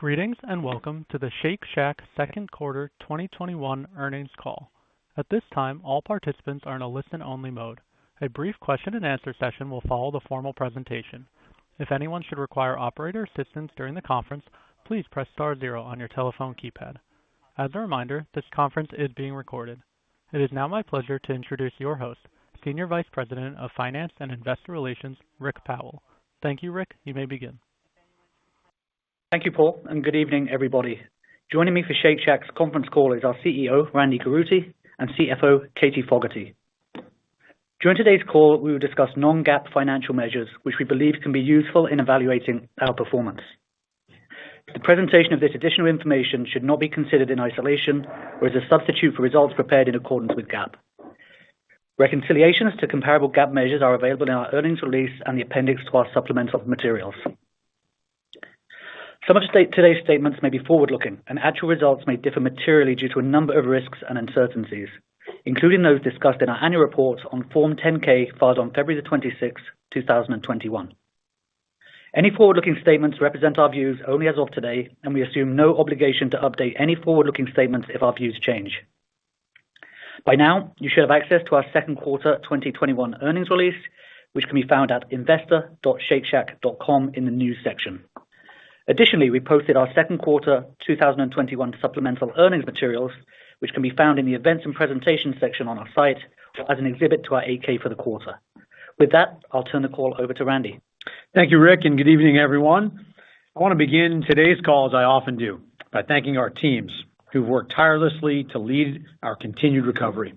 Greetings and welcome to the Shake Shack second quarter 2021 Earnings Call. At this time, all participants are in listen-only mode. A brief question-and-answer session will follow the formal presentation. If anyone should require operator assistance during the conference, please press star zero on your telephone keypad. As a reminder, this conference is being recorded. It is now my pleasure to introduce your host, Senior Vice President of Finance and Investor Relations, Rik Powell. Thank you, Rik. You may begin. Thank you, Paul, and good evening, everybody. Joining me for Shake Shack's conference call is our CEO, Randy Garutti, and CFO, Katie Fogertey. During today's call, we will discuss non-GAAP financial measures, which we believe can be useful in evaluating our performance. The presentation of this additional information should not be considered in isolation or as a substitute for results prepared in accordance with GAAP. Reconciliations to comparable GAAP measures are available in our earnings release and the appendix to our supplemental materials. Some of today's statements may be forward-looking, and actual results may differ materially due to a number of risks and uncertainties, including those discussed in our annual reports on Form 10-K filed on February 26, 2021. Any forward-looking statements represent our views only as of today, and we assume no obligation to update any forward-looking statements if our views change. By now, you should have access to our second quarter 2021 earnings release, which can be found at investor.shakeshack.com in the news section. Additionally, we posted our second quarter 2021 supplemental earnings materials, which can be found in the events and presentations section on our site, or as an exhibit to our 8-K for the quarter. With that, I'll turn the call over to Randy. Thank you, Rik, and good evening, everyone. I want to begin today's call as I often do, by thanking our teams who've worked tirelessly to lead our continued recovery.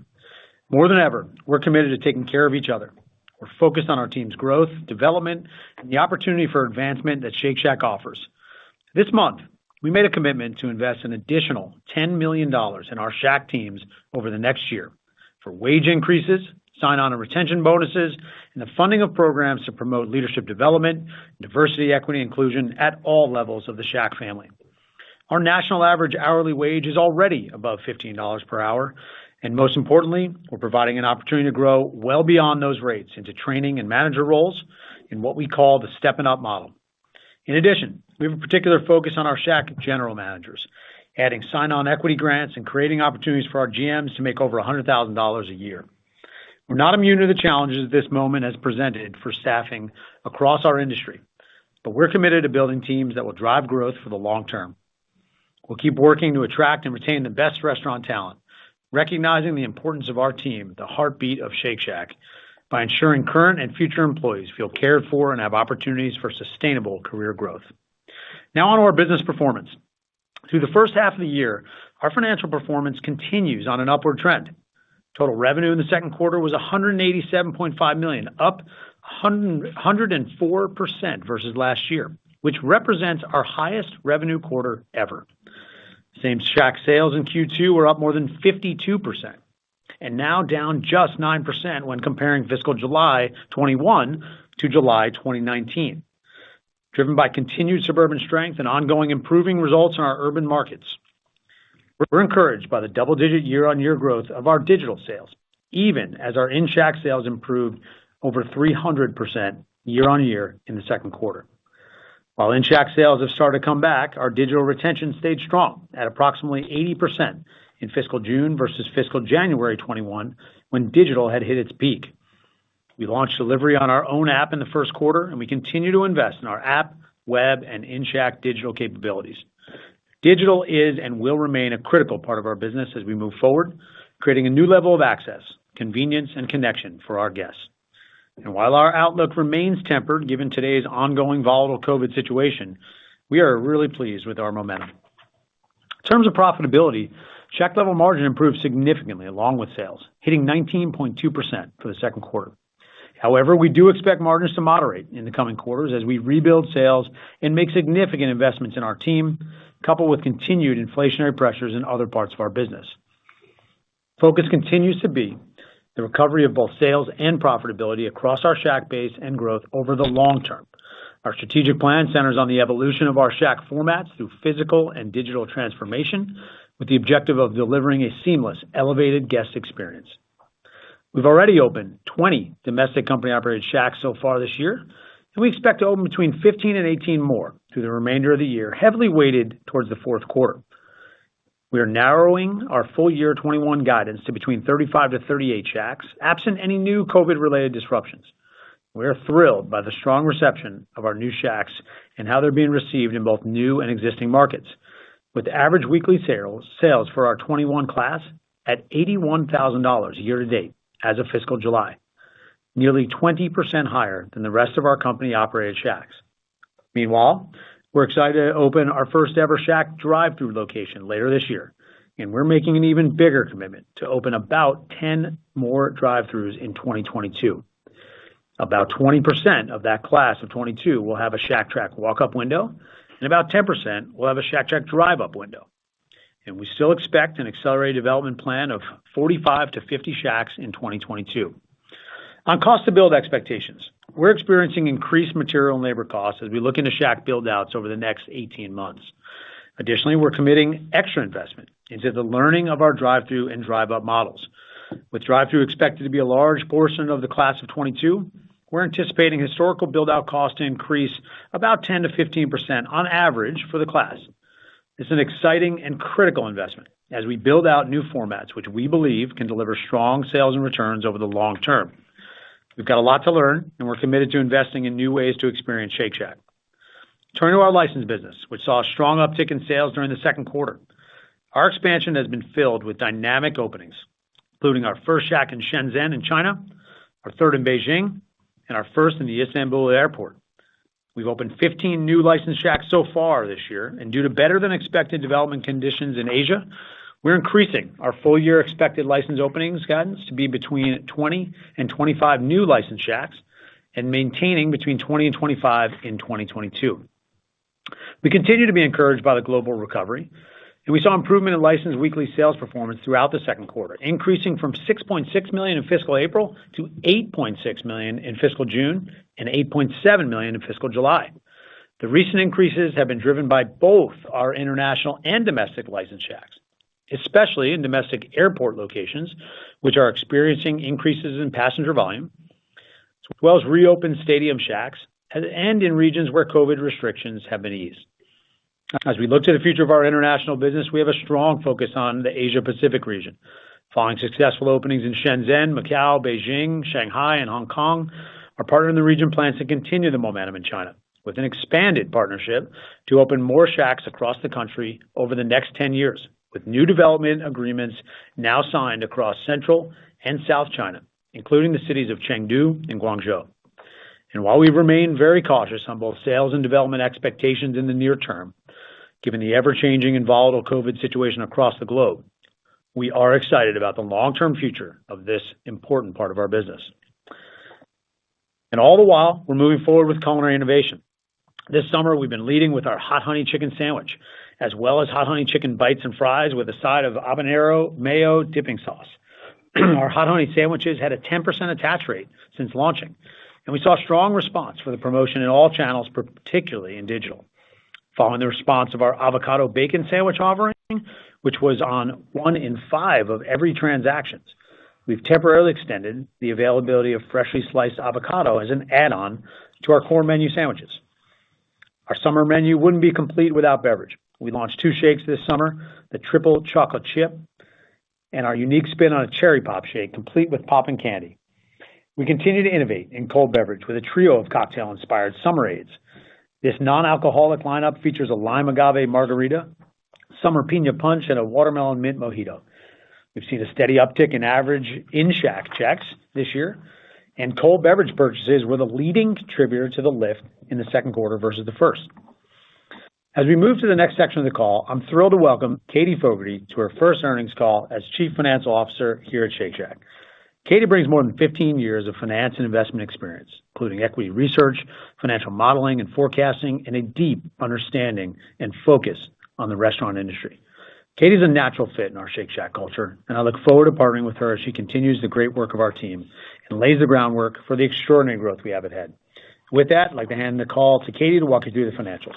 More than ever, we're committed to taking care of each other. We're focused on our team's growth, development, and the opportunity for advancement that Shake Shack offers. This month, we made a commitment to invest an additional $10 million in our Shack teams over the next year for wage increases, sign-on and retention bonuses, and the funding of programs to promote leadership development, diversity, equity, and inclusion at all levels of the Shack family. Our national average hourly wage is already above $15 per hour, and most importantly, we're providing an opportunity to grow well beyond those rates into training and manager roles in what we call the Steppin' Up model. In addition, we have a particular focus on our Shack general managers, adding sign-on equity grants and creating opportunities for our GMs to make over $100,000 a year. We're not immune to the challenges this moment has presented for staffing across our industry, but we're committed to building teams that will drive growth for the long term. We'll keep working to attract and retain the best restaurant talent, recognizing the importance of our team, the heartbeat of Shake Shack, by ensuring current and future employees feel cared for and have opportunities for sustainable career growth. Now on to our business performance. Through the first half of the year, our financial performance continues on an upward trend. Total revenue in the second quarter was $187.5 million, up 104% versus last year, which represents our highest revenue quarter ever. Same-Shack sales in Q2 were up more than 52%, and now down just 9% when comparing fiscal July 2021 to July 2019. Driven by continued suburban strength and ongoing improving results in our urban markets, we're encouraged by the double-digit year-on-year growth of our digital sales, even as our in-Shack sales improved over 300% year-on-year in the second quarter. While in-Shack sales have started to come back, our digital retention stayed strong at approximately 80% in fiscal June versus fiscal January 2021, when digital had hit its peak. We launched delivery on our own app in the first quarter, and we continue to invest in our app, web, and in-Shack digital capabilities. Digital is and will remain a critical part of our business as we move forward, creating a new level of access, convenience, and connection for our guests. While our outlook remains tempered given today's ongoing volatile COVID situation, we are really pleased with our momentum. In terms of profitability, Shack-level margin improved significantly along with sales, hitting 19.2% for the second quarter. However, we do expect margins to moderate in the coming quarters as we rebuild sales and make significant investments in our team, coupled with continued inflationary pressures in other parts of our business. Focus continues to be the recovery of both sales and profitability across our Shack base and growth over the long term. Our strategic plan centers on the evolution of our Shack formats through physical and digital transformation with the objective of delivering a seamless, elevated guest experience. We've already opened 20 domestic company-operated Shacks so far this year, and we expect to open between 15 and 18 more through the remainder of the year, heavily weighted towards the fourth quarter. We are narrowing our full year 2021 guidance to between 35-38 Shacks, absent any new COVID-related disruptions. We are thrilled by the strong reception of our new Shacks and how they're being received in both new and existing markets. With average weekly sales for our 2021 class at $81,000 year to date as of fiscal July, nearly 20% higher than the rest of our company-operated Shacks. Meanwhile, we're excited to open our first ever Shack drive-thru location later this year, and we're making an even bigger commitment to open about 10 more drive-thrus in 2022. About 20% of that class of 2022 will have a Shack Track walk-up window, and about 10% will have a Shack Track drive-up window. We still expect an accelerat ed development plan of 45-50 Shacks in 2022. On cost to build expectations, we're experiencing increased material and labor costs as we look into Shack build-outs over the next 18 months. We're committing extra investment into the learning of our drive-thru and drive-up models. Drive-through expected to be a large portion of the class of 2022, we're anticipating historical build-out cost to increase about 10%-15% on average for the class. It's an exciting and critical investment as we build out new formats, which we believe can deliver strong sales and returns over the long term. We've got a lot to learn, and we're committed to investing in new ways to experience Shake Shack. Turning to our licensed business, which saw a strong uptick in sales during the second quarter. Our expansion has been filled with dynamic openings, including our first Shack in Shenzhen in China, our third in Beijing, and our first in the Istanbul Airport. We've opened 15 new licensed Shacks so far this year, and due to better than expected development conditions in Asia, we're increasing our full year expected licensed openings guidance to be between 20 and 25 new licensed Shacks, and maintaining between 20 and 25 in 2022. We continue to be encouraged by the global recovery, and we saw improvement in licensed weekly sales performance throughout the second quarter, increasing from $6.6 million in fiscal April to $8.6 million in fiscal June, and $8.7 million in fiscal July. The recent increases have been driven by both our international and domestic licensed Shacks, especially in domestic airport locations, which are experiencing increases in passenger volume, as well as reopened stadium Shacks, and in regions where COVID restrictions have been eased. As we look to the future of our international business, we have a strong focus on the Asia Pacific region. Following successful openings in Shenzhen, Macau, Beijing, Shanghai, and Hong Kong, our partner in the region plans to continue the momentum in China with an expanded partnership to open more Shacks across the country over the next 10 years, with new development agreements now signed across Central and South China, including the cities of Chengdu and Guangzhou. While we remain very cautious on both sales and development expectations in the near term, given the ever-changing and volatile COVID situation across the globe, we are excited about the long-term future of this important part of our business. All the while, we're moving forward with culinary innovation. This summer, we've been leading with our Hot Honey Chicken Sandwich, as well as Hot Honey Chicken Bites and fries with a side of habanero mayo dipping sauce. Our Hot Honey Sandwiches had a 10% attach rate since launching, and we saw strong response for the promotion in all channels, particularly in digital. Following the response of our Avocado Bacon Sandwich offering, which was on one in five of every transactions, we've temporarily extended the availability of freshly sliced avocado as an add-on to our core menu sandwiches. Our summer menu wouldn't be complete without beverage. We launched two shakes this summer, the Triple Chocolate Chip, and our unique spin on a Cherry Pop Shake, complete with popping candy. We continue to innovate in cold beverage with a trio of cocktail-inspired Summerades. This non-alcoholic lineup features a Lime Agave Margarita, Summer Piña Punch, and a Watermelon Mint Mojito. We've seen a steady uptick in average in-Shack checks this year, and cold beverage purchases were the leading contributor to the lift in the second quarter versus the first. As we move to the next section of the call, I'm thrilled to welcome Katie Fogertey to her first earnings call as Chief Financial Officer here at Shake Shack. Katie brings more than 15 years of finance and investment experience, including equity research, financial modeling and forecasting, and a deep understanding and focus on the restaurant industry. Katie's a natural fit in our Shake Shack culture. I look forward to partnering with her as she continues the great work of our team and lays the groundwork for the extraordinary growth we haven't had. With that, I'd like to hand the call to Katie to walk you through the financials.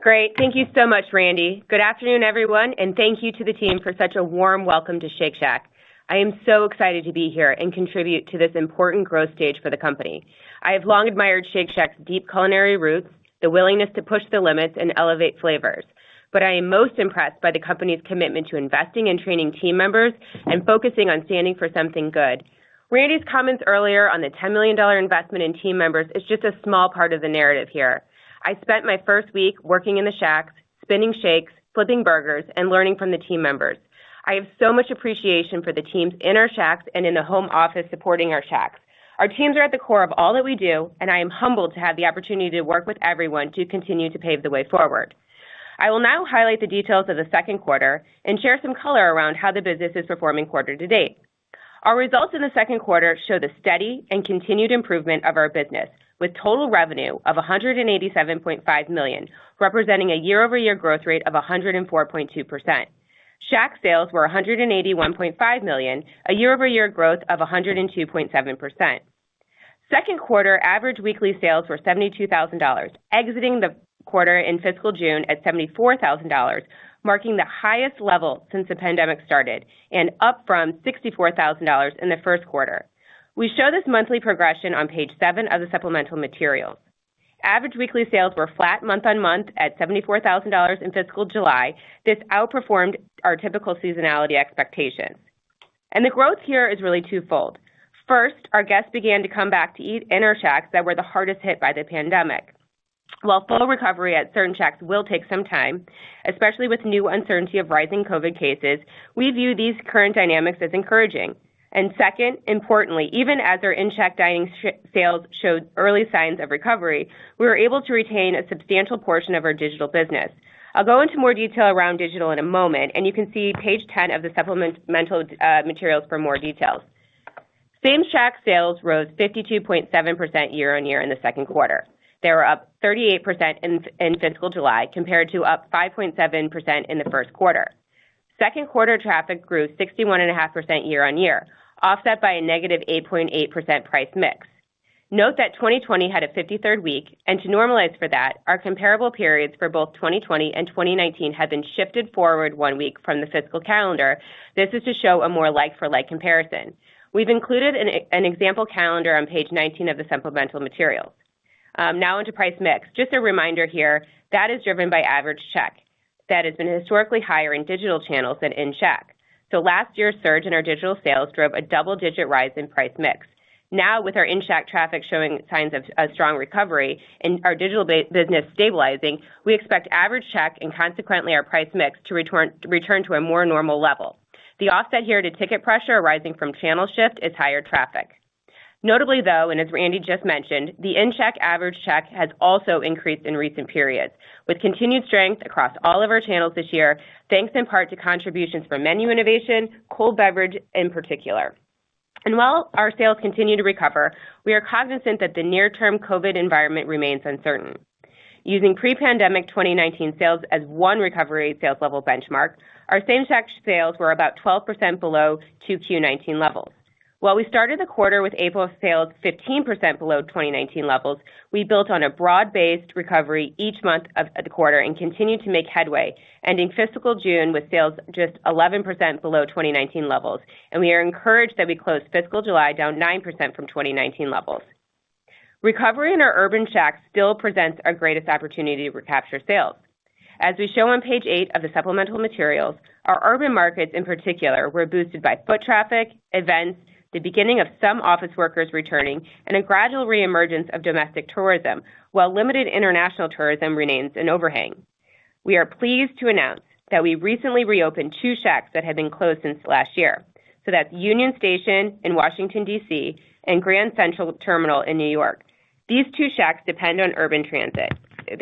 Great. Thank you so much, Randy. Good afternoon, everyone, and thank you to the team for such a warm welcome to Shake Shack. I am so excited to be here and contribute to this important growth stage for the company. I have long admired Shake Shack's deep culinary roots, the willingness to push the limits and elevate flavors. I am most impressed by the company's commitment to investing and training team members and focusing on standing for something good. Randy's comments earlier on the $10 million investment in team members is just a small part of the narrative here. I spent my first week working in the Shacks, spinning shakes, flipping burgers, and learning from the team members. I have so much appreciation for the teams in our Shacks and in the home office supporting our Shacks. Our teams are at the core of all that we do, and I am humbled to have the opportunity to work with everyone to continue to pave the way forward. I will now highlight the details of the second quarter and share some color around how the business is performing quarter to date. Our results in the second quarter show the steady and continued improvement of our business with total revenue of $187.5 million, representing a year-over-year growth rate of 104.2%. Shack sales were $181.5 million, a year-over-year growth of 102.7%. Second quarter average weekly sales were $72,000, exiting the quarter in fiscal June at $74,000, marking the highest level since the pandemic started, and up from $64,000 in the first quarter. We show this monthly progression on page seven of the supplemental material. Average weekly sales were flat month-on-month at $74,000 in fiscal July. This outperformed our typical seasonality expectation. The growth here is really twofold. First, our guests began to come back to eat in our Shacks that were the hardest hit by the pandemic. While full recovery at certain Shacks will take some time, especially with new uncertainty of rising COVID cases, we view these current dynamics as encouraging. Second, importantly, even as our in-Shack dining sales showed early signs of recovery, we were able to retain a substantial portion of our digital business. I'll go into more detail around digital in a moment, and you can see page 10 of the supplemental materials for more details. same-Shack sales rose 52.7% year-on-year in the second quarter. They were up 38% in fiscal July, compared to up 5.7% in the first quarter. Second quarter traffic grew 61.5% year-over-year, offset by a negative 8.8% price mix. Note that 2020 had a 53rd week, and to normalize for that, our comparable periods for both 2020 and 2019 have been shifted forward one week from the fiscal calendar. This is to show a more like-for-like comparison. We've included an example calendar on page 19 of the supplemental materials. Into price mix. Just a reminder here, that is driven by average check that has been historically higher in digital channels than in-shack. Last year's surge in our digital sales drove a double-digit rise in price mix. With our in-shack traffic showing signs of a strong recovery and our digital business stabilizing, we expect average check and consequently our price mix to return to a more normal level. The offset here to ticket pressure arising from channel shift is higher traffic. Notably, though, and as Randy just mentioned, the in-Shack average check has also increased in recent periods with continued strength across all of our channels this year, thanks in part to contributions from menu innovation, cold beverage in particular. While our sales continue to recover, we are cognizant that the near term COVID environment remains uncertain. Using pre-pandemic 2019 sales as one recovery sales level benchmark, our same-Shack sales were about 12% below 2Q19 levels. While we started the quarter with April sales 15% below 2019 levels, we built on a broad-based recovery each month of the quarter and continued to make headway, ending fiscal June with sales just 11% below 2019 levels. We are encouraged that we closed fiscal July down 9% from 2019 levels. Recovery in our urban Shacks still presents our greatest opportunity to recapture sales. As we show on page eight of the supplemental materials, our urban markets in particular were boosted by foot traffic, events, the beginning of some office workers returning, and a gradual reemergence of domestic tourism, while limited international tourism remains an overhang. We are pleased to announce that we recently reopened two Shacks that had been closed since last year, so that's Union Station in Washington, D.C., and Grand Central Terminal in New York. These two Shacks depend on urban transit.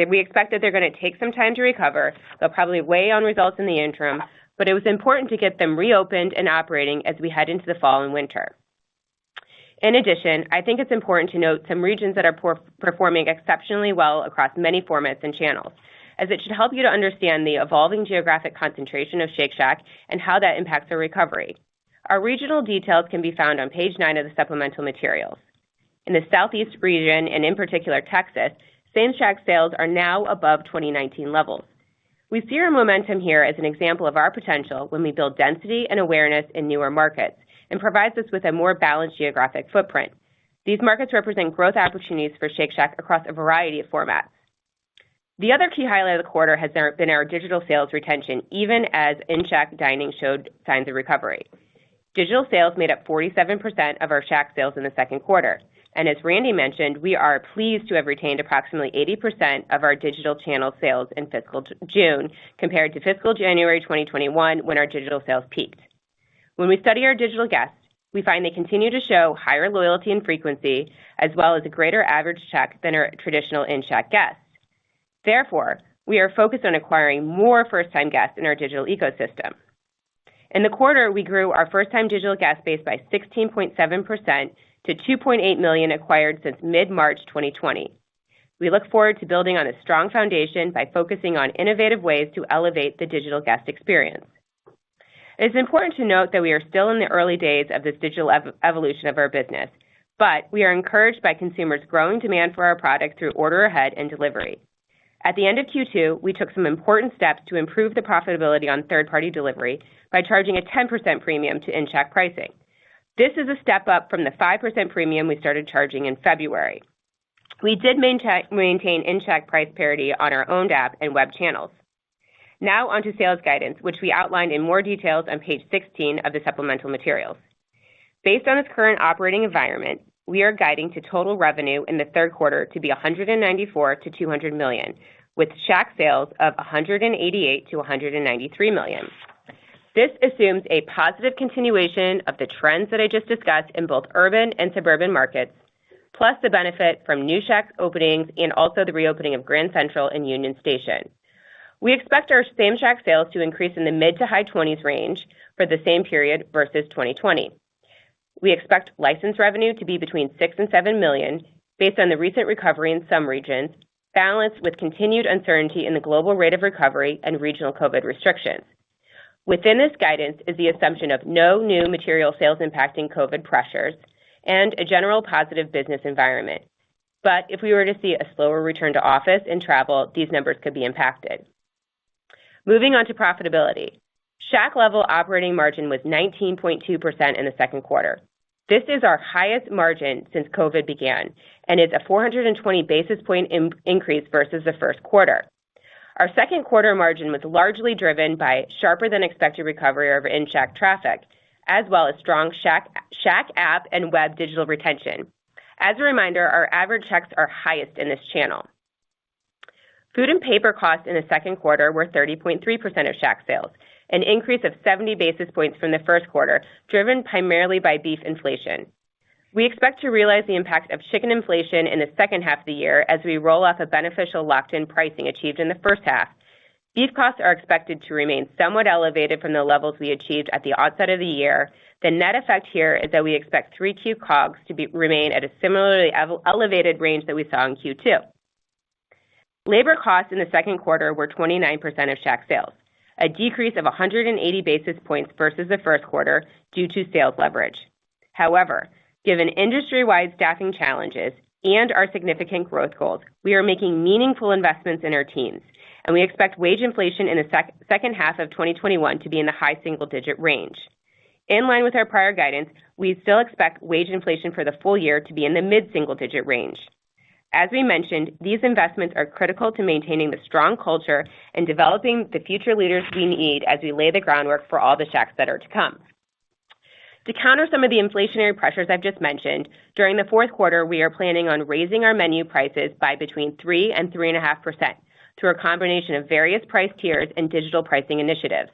We expect that they're going to take some time to recover. They'll probably weigh on results in the interim, but it was important to get them reopened and operating as we head into the fall and winter. In addition, I think it's important to note some regions that are performing exceptionally well across many formats and channels, as it should help you to understand the evolving geographic concentration of Shake Shack and how that impacts our recovery. Our regional details can be found on page nine of the supplemental materials. In the Southeast region and in particular Texas, same Shack sales are now above 2019 levels. We see our momentum here as an example of our potential when we build density and awareness in newer markets and provides us with a more balanced geographic footprint. These markets represent growth opportunities for Shake Shack across a variety of formats. The other key highlight of the quarter has been our digital sales retention, even as in-shack dining showed signs of recovery. Digital sales made up 47% of our Shack sales in the second quarter, and as Randy mentioned, we are pleased to have retained approximately 80% of our digital channel sales in fiscal June compared to fiscal January 2021, when our digital sales peaked. When we study our digital guests, we find they continue to show higher loyalty and frequency, as well as a greater average check than our traditional in-Shack guests. Therefore, we are focused on acquiring more first time guests in our digital ecosystem. In the quarter, we grew our first time digital guest base by 16.7% to 2.8 million acquired since mid-March 2020. We look forward to building on a strong foundation by focusing on innovative ways to elevate the digital guest experience. It is important to note that we are still in the early days of this digital evolution of our business, but we are encouraged by consumers' growing demand for our product through order ahead and delivery. At the end of Q2, we took some important steps to improve the profitability on third party delivery by charging a 10% premium to in-Shack pricing. This is a step up from the 5% premium we started charging in February. We did maintain in-Shack price parity on our own app and web channels. On to sales guidance, which we outlined in more details on page 16 of the supplemental materials. Based on this current operating environment, we are guiding to total revenue in the third quarter to be $194 million-$200 million, with Shack sales of $188 million-$193 million. This assumes a positive continuation of the trends that I just discussed in both urban and suburban markets, plus the benefit from new Shack openings and also the reopening of Grand Central and Union Station. We expect our same-Shack sales to increase in the mid-to-high 20s range for the same period versus 2020. We expect licensed revenue to be between $6 million and $7 million based on the recent recovery in some regions, balanced with continued uncertainty in the global rate of recovery and regional COVID restrictions. Within this guidance is the assumption of no new material sales impacting COVID pressures and a general positive business environment. If we were to see a slower return to office and travel, these numbers could be impacted. Moving on to profitability. Shack-level operating profit margin was 19.2% in the second quarter. This is our highest margin since COVID began and is a 420 basis point increase versus the first quarter. Our second quarter margin was largely driven by sharper than expected recovery of in-Shack traffic, as well as strong Shack app and web digital retention. As a reminder, our average checks are highest in this channel. Food and paper costs in the second quarter were 30.3% of Shack sales, an increase of 70 basis points from the first quarter, driven primarily by beef inflation. We expect to realize the impact of chicken inflation in the second half of the year as we roll off a beneficial locked in pricing achieved in the first half. Beef costs are expected to remain somewhat elevated from the levels we achieved at the outset of the year. The net effect here is that we expect 3Q COGS to remain at a similarly elevated range that we saw in Q2. Labor costs in the second quarter were 29% of Shack sales, a decrease of 180 basis points versus the first quarter due to sales leverage. However, given industry-wide staffing challenges and our significant growth goals, we are making meaningful investments in our teams, and we expect wage inflation in the second half of 2021 to be in the high single-digit range. In line with our prior guidance, we still expect wage inflation for the full year to be in the mid-single digit range. As we mentioned, these investments are critical to maintaining the strong culture and developing the future leaders we need as we lay the groundwork for all the Shacks that are to come. To counter some of the inflationary pressures I've just mentioned, during the fourth quarter, we are planning on raising our menu prices by between 3% and 3.5% through a combination of various price tiers and digital pricing initiatives.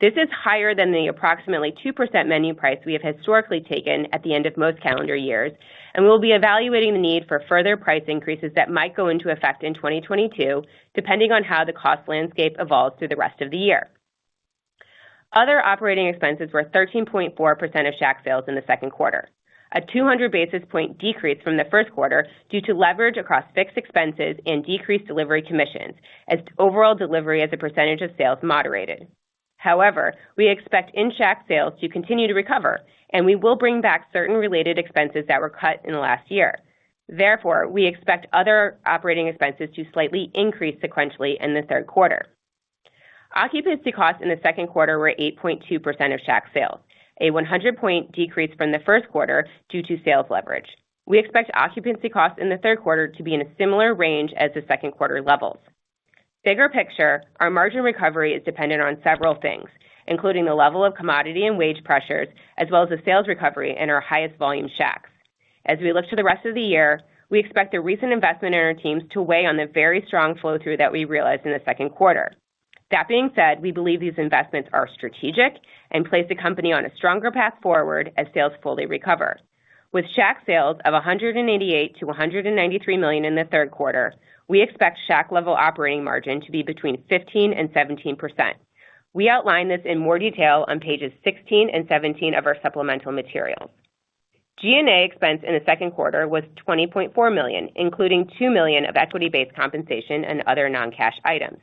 This is higher than the approximately 2% menu price we have historically taken at the end of most calendar years. We'll be evaluating the need for further price increases that might go into effect in 2022, depending on how the cost landscape evolves through the rest of the year. Other operating expenses were 13.4% of Shack sales in the second quarter, a 200 basis point decrease from the first quarter due to leverage across fixed expenses and decreased delivery commissions as overall delivery as a percentage of sales moderated. However, we expect in-Shack sales to continue to recover, and we will bring back certain related expenses that were cut in the last year. Therefore, we expect other operating expenses to slightly increase sequentially in the third quarter. Occupancy costs in the second quarter were 8.2% of Shack sales, a 100-point decrease from the first quarter due to sales leverage. We expect occupancy costs in the third quarter to be in a similar range as the second quarter levels. Bigger picture, our margin recovery is dependent on several things, including the level of commodity and wage pressures, as well as the sales recovery in our highest volume Shacks. As we look to the rest of the year, we expect the recent investment in our teams to weigh on the very strong flow through that we realized in the second quarter. That being said, we believe these investments are strategic and place the company on a stronger path forward as sales fully recover. With Shack sales of $188 million-$193 million in the third quarter, we expect Shack-level operating profit margin to be between 15% and 17%. We outline this in more detail on pages 16 and 17 of our supplemental materials. G&A expense in the second quarter was $20.4 million, including $2 million of equity-based compensation and other non-cash items.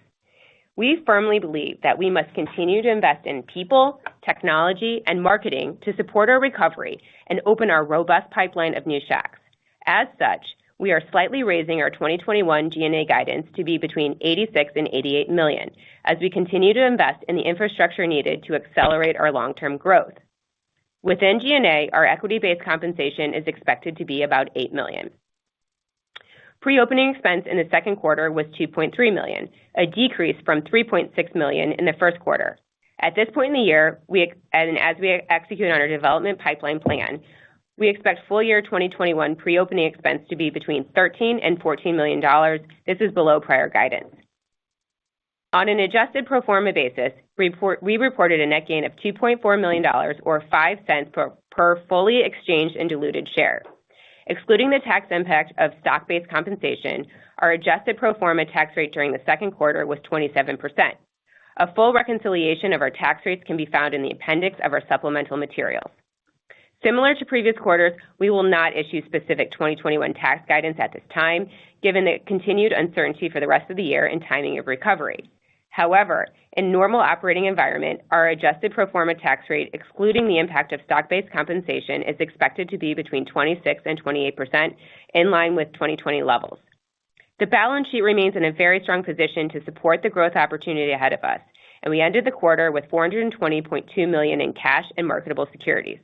We firmly believe that we must continue to invest in people, technology, and marketing to support our recovery and open our robust pipeline of new Shacks. As such, we are slightly raising our 2021 G&A guidance to be between $86 million and $88 million as we continue to invest in the infrastructure needed to accelerate our long-term growth. Within G&A, our equity-based compensation is expected to be about $8 million. Pre-opening expense in the second quarter was $2.3 million, a decrease from $3.6 million in the first quarter. At this point in the year, and as we execute on our development pipeline plan, we expect full year 2021 pre-opening expense to be between $13 million and $14 million. This is below prior guidance. On an adjusted pro forma basis, we reported a net gain of $2.4 million, or $0.05 per fully exchanged and diluted share. Excluding the tax impact of stock-based compensation, our adjusted pro forma tax rate during the second quarter was 27%. A full reconciliation of our tax rates can be found in the appendix of our supplemental materials. Similar to previous quarters, we will not issue specific 2021 tax guidance at this time, given the continued uncertainty for the rest of the year and timing of recovery. However, in normal operating environment, our adjusted pro forma tax rate, excluding the impact of stock-based compensation, is expected to be between 26% and 28%, in line with 2020 levels. The balance sheet remains in a very strong position to support the growth opportunity ahead of us, and we ended the quarter with $420.2 million in cash and marketable securities.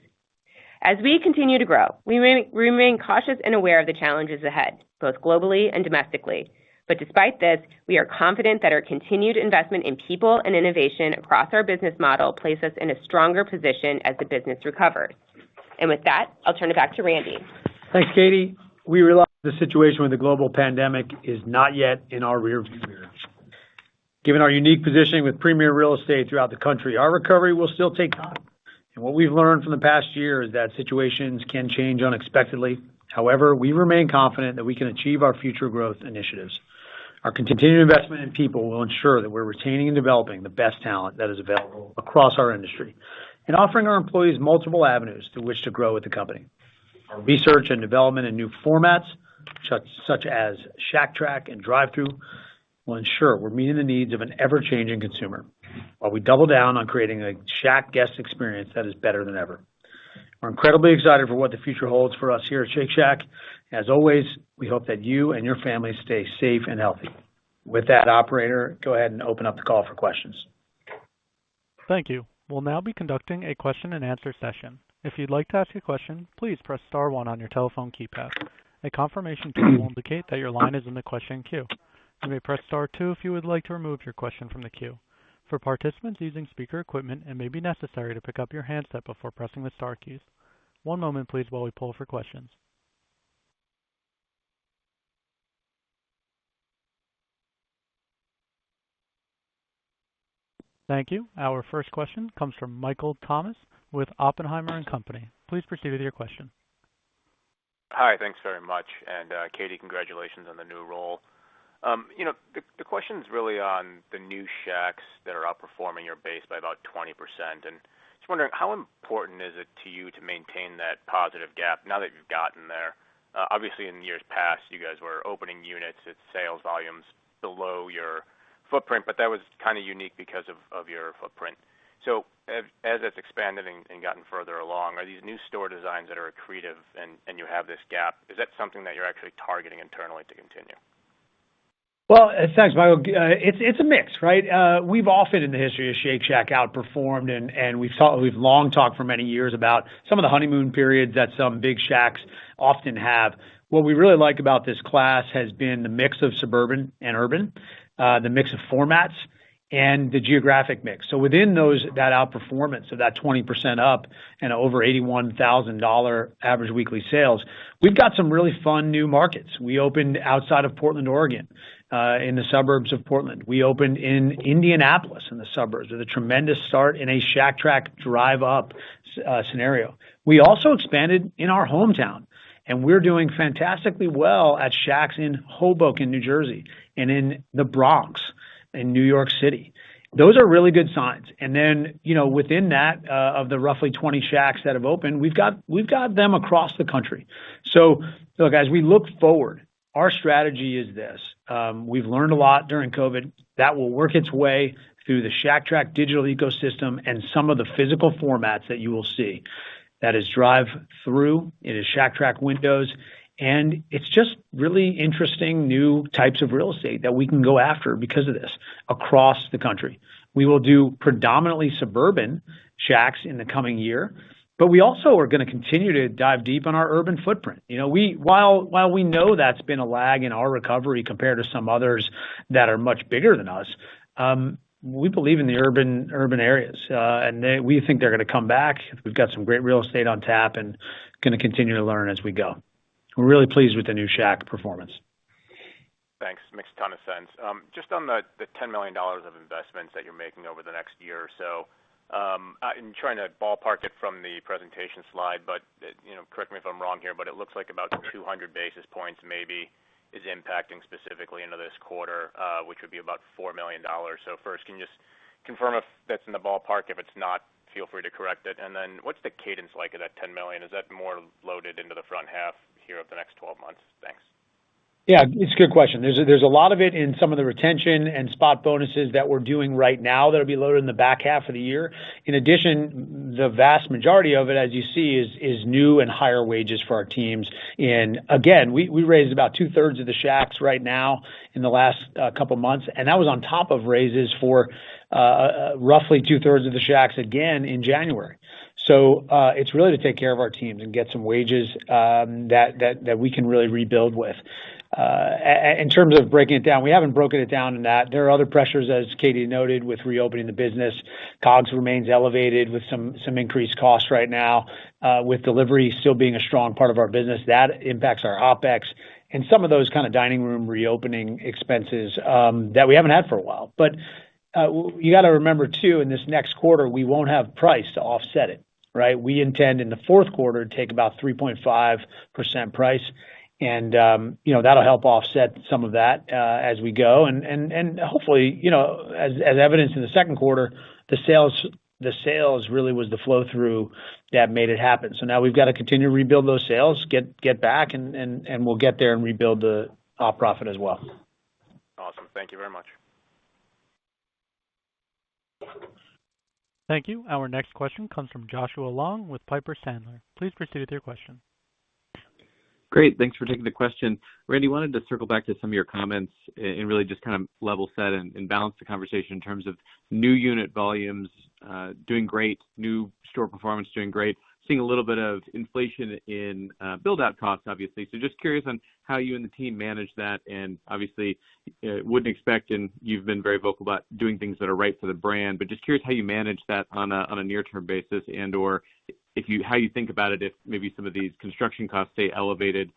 As we continue to grow, we remain cautious and aware of the challenges ahead, both globally and domestically. Despite this, we are confident that our continued investment in people and innovation across our business model places in a stronger position as the business recovers. With that, I'll turn it back to Randy. Thanks, Katie. We realize the situation with the global pandemic is not yet in our rearview mirror. Given our unique positioning with premier real estate throughout the country, our recovery will still take time. What we've learned from the past year is that situations can change unexpectedly. We remain confident that we can achieve our future growth initiatives. Our continued investment in people will ensure that we're retaining and developing the best talent that is available across our industry and offering our employees multiple avenues through which to grow with the company. Our research and development in new formats, such as Shack Track and Drive-Thru, will ensure we're meeting the needs of an ever-changing consumer, while we double down on creating a Shack guest experience that is better than ever. We're incredibly excited for what the future holds for us here at Shake Shack. As always, we hope that you and your families stay safe and healthy. Operator, go ahead and open up the call for questions. Thank you. We will now be conducting a question-and-answer session. If you would like to ask a question, please press star one on your telephone keypad. A confirmation cue indicate to your line is in the question queue. Press star two if you would like to remove your question from the queue. For participants using speaker equipment, it may be necessary to pick up your handset before pressing the star keys. One moment before we poll for questions. Thank you. Our first question comes from Michael Tamas with Oppenheimer & Co. Please proceed with your question. Hi. Thanks very much. Katie, congratulations on the new role. The question's really on the new Shacks that are outperforming your base by about 20%. Just wondering, how important is it to you to maintain that positive gap now that you've gotten. Obviously, in years past, you guys were opening units at sales volumes below your footprint, but that was kind of unique because of your footprint. As it's expanded and gotten further along, are these new store designs that are accretive and you have this gap, is that something that you're actually targeting internally to continue? Well, thanks, Michael. It's a mix, right? We've often in the history of Shake Shack outperformed, and we've long talked for many years about some of the honeymoon periods that some big Shacks often have. What we really like about this class has been the mix of suburban and urban, the mix of formats, and the geographic mix. Within that outperformance of that 20% up and over $81,000 average weekly sales, we've got some really fun new markets. We opened outside of Portland, Oregon, in the suburbs of Portland. We opened in Indianapolis in the suburbs with a tremendous start in a Shack Track drive-up scenario. We also expanded in our hometown, and we're doing fantastically well at Shacks in Hoboken, New Jersey, and in the Bronx in New York City. Those are really good signs. Within that, of the roughly 20 Shacks that have opened, we've got them across the country. As we look forward, our strategy is this. We've learned a lot during COVID. That will work its way through the Shack Track digital ecosystem and some of the physical formats that you will see. That is drive-through, it is Shack Track windows, and it's just really interesting new types of real estate that we can go after because of this across the country. We will do predominantly suburban Shacks in the coming year, but we also are going to continue to dive deep on our urban footprint. While we know that's been a lag in our recovery compared to some others that are much bigger than us, we believe in the urban areas. We think they're going to come back. We've got some great real estate on tap and going to continue to learn as we go. We're really pleased with the new Shack performance. Thanks. Makes a ton of sense. Just on the $10 million of investments that you're making over the next year or so. I'm trying to ballpark it from the presentation slide, but correct me if I'm wrong here, it looks like about 200 basis points maybe is impacting specifically into this quarter, which would be about $4 million. First, can you just confirm if that's in the ballpark? If it's not, feel free to correct it. What's the cadence like of that $10 million? Is that more loaded into the front half here of the next 12 months? Thanks. Yeah, it's a good question. There's a lot of it in some of the retention and spot bonuses that we're doing right now that'll be loaded in the back half of the year. In addition, the vast majority of it, as you see, is new and higher wages for our teams. Again, we raised about two-thirds of the Shacks right now in the last couple of months, and that was on top of raises for roughly two-thirds of the Shacks again in January. It's really to take care of our teams and get some wages that we can really rebuild with. In terms of breaking it down, we haven't broken it down in that. There are other pressures, as Katie noted, with reopening the business. COGS remains elevated with some increased costs right now. With delivery still being a strong part of our business, that impacts our OpEx and some of those kind of dining room reopening expenses that we haven't had for a while. You got to remember, too, in this next quarter, we won't have price to offset it. Right? We intend in the fourth quarter to take about 3.5% price and that'll help offset some of that as we go. Hopefully, as evidenced in the second quarter, the sales really was the flow-through that made it happen. Now we've got to continue to rebuild those sales, get back, and we'll get there and rebuild the op profit as well. Awesome. Thank you very much. Thank you. Our next question comes from Joshua Long with Piper Sandler. Please proceed with your question. Great. Thanks for taking the question. Randy, wanted to circle back to some of your comments and really just kind of level set and balance the conversation in terms of new unit volumes doing great, new store performance doing great. Seeing a little bit of inflation in build-out costs, obviously. Just curious on how you and the team manage that, and obviously wouldn't expect, and you've been very vocal about doing things that are right for the brand. Just curious how you manage that on a near-term basis and/or how you think about it if maybe some of these construction costs stay elevated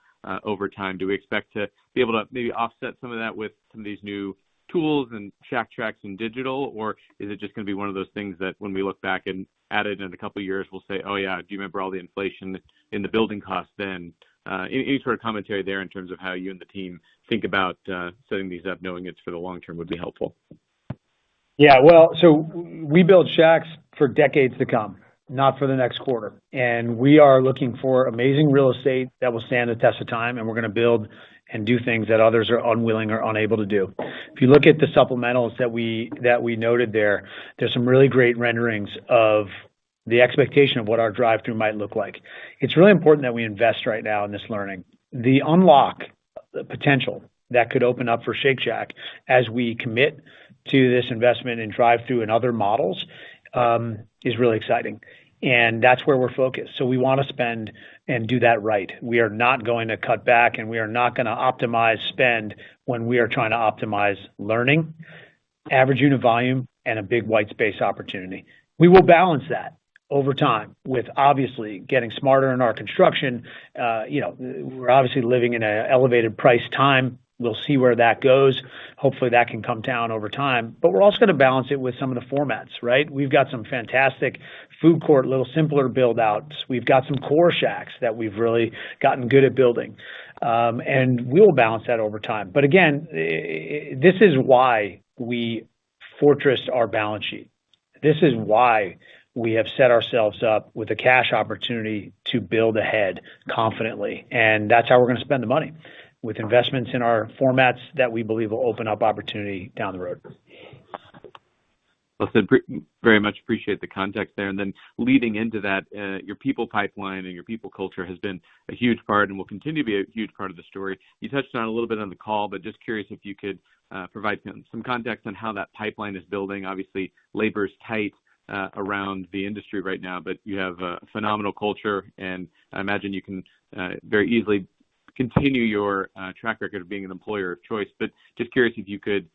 over time. Do we expect to be able to maybe offset some of that with some of these new tools and Shack Tracks and digital, or is it just going to be one of those things that when we look back at it in a couple of years, we'll say, "Oh, yeah. Do you remember all the inflation in the building cost then." Any sort of commentary there in terms of how you and the team think about setting these up, knowing it's for the long term would be helpful. Yeah. Well, we build Shacks for decades to come, not for the next quarter. We are looking for amazing real estate that will stand the test of time, and we're going to build and do things that others are unwilling or unable to do. If you look at the supplementals that we noted there's some really great renderings of the expectation of what our drive-thru might look like. It's really important that we invest right now in this learning. The unlock potential that could open up for Shake Shack as we commit to this investment in drive-thru and other models is really exciting. That's where we're focused. We want to spend and do that right. We are not going to cut back, and we are not going to optimize spend when we are trying to optimize learning, average unit volume, and a big white space opportunity. We will balance that over time with obviously getting smarter in our construction. We're obviously living in an elevated price time. We'll see where that goes. Hopefully, that can come down over time. We're also going to balance it with some of the formats, right? We've got some fantastic food court, little simpler build-outs. We've got some core Shacks that we've really gotten good at building. We'll balance that over time. Again, this is why we fortressed our balance sheet. This is why we have set ourselves up with a cash opportunity to build ahead confidently, that's how we're going to spend the money with investments in our formats that we believe will open up opportunity down the road. Very much appreciate the context there, and then leading into that, your people pipeline and your people culture has been a huge part and will continue to be a huge part of the story. You touched on it a little bit on the call, but just curious if you could provide some context on how that pipeline is building. Obviously, labor is tight around the industry right now, but you have a phenomenal culture, and I imagine you can very easily continue your track record of being an employer of choice. Just curious if you could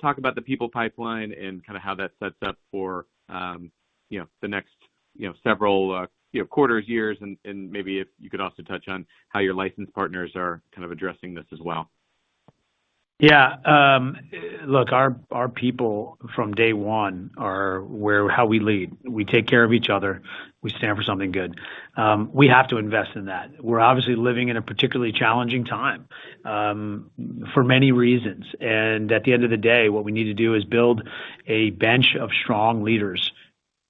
talk about the people pipeline and how that sets up for the next several quarters, years, and maybe if you could also touch on how your license partners are addressing this as well. Yeah. Look, our people from day one are how we lead. We take care of each other. We stand for something good. We have to invest in that. We're obviously living in a particularly challenging time for many reasons, and at the end of the day, what we need to do is build a bench of strong leaders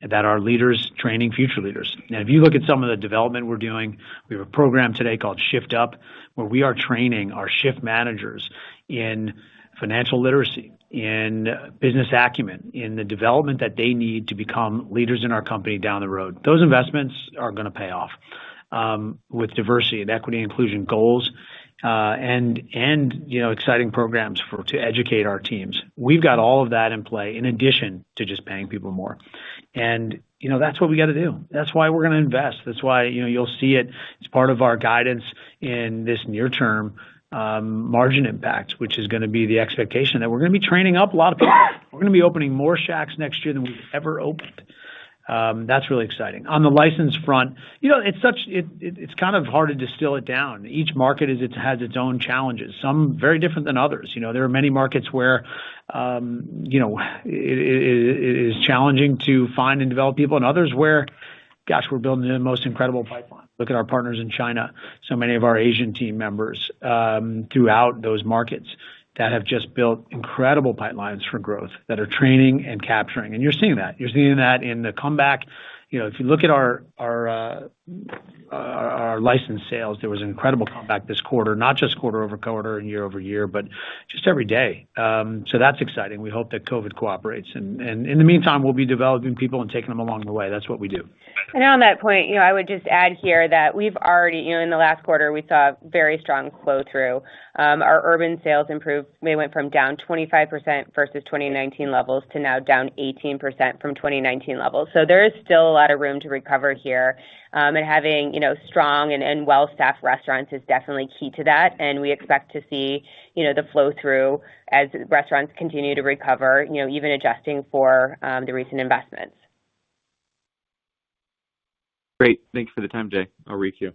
that are leaders training future leaders. If you look at some of the development we're doing, we have a program today called Shift Up, where we are training our shift managers in financial literacy, in business acumen, in the development that they need to become leaders in our company down the road. Those investments are going to pay off with diversity and equity inclusion goals, and exciting programs to educate our teams. We've got all of that in play in addition to just paying people more. That's what we got to do. That's why we're going to invest. That's why you'll see it as part of our guidance in this near term margin impact, which is going to be the expectation that we're going to be training up a lot of people. We're going to be opening more Shacks next year than we've ever opened. That's really exciting. On the license front, it's hard to distill it down. Each market has its own challenges, some very different than others. There are many markets where it is challenging to find and develop people and others where, gosh, we're building the most incredible pipeline. Look at our partners in China. So many of our Asian team members throughout those markets that have just built incredible pipelines for growth that are training and capturing, and you're seeing that. You're seeing that in the comeback. If you look at our licensed sales, there was an incredible comeback this quarter, not just quarter-over-quarter and year-over-year, but just every day. That's exciting. We hope that COVID cooperates. In the meantime, we'll be developing people and taking them along the way. That's what we do. On that point, I would just add here that we've already, in the last quarter, we saw very strong flow through. Our urban sales improved. We went from down 25% versus 2019 levels to now down 18% from 2019 levels. There is still a lot of room to recover here. Having strong and well-staffed restaurants is definitely key to that, and we expect to see the flow through as restaurants continue to recover, even adjusting for the recent investments. Great. Thanks for the time. I'll re-queue.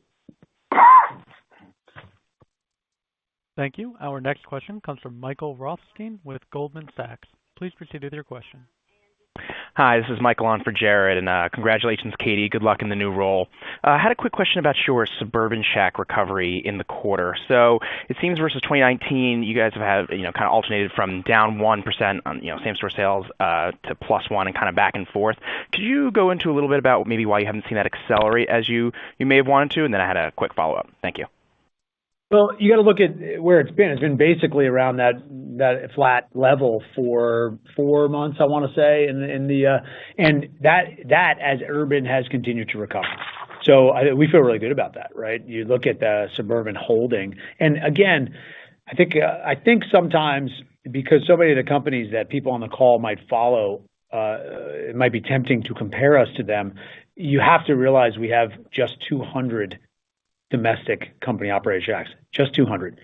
Thank you. Our next question comes from Michael Rothstein with Goldman Sachs. Please proceed with your question. Hi, this is Michael on for Jared, and congratulations, Katie. Good luck in the new role. I had a quick question about your suburban Shack recovery in the quarter. It seems versus 2019, you guys have alternated from down 1% on same-Shack sales to +1% and back and forth. Could you go into a little bit about maybe why you haven't seen that accelerate as you may have wanted to, I had a quick follow-up. Thank you. Well, you got to look at where it's been. It's been basically around that flat level for four months, I want to say. That as urban has continued to recover. We feel really good about that, right? You look at the suburban holding, and again, I think sometimes because so many of the companies that people on the call might follow, it might be tempting to compare us to them. You have to realize we have just 200 domestic company-operated Shacks, just 200.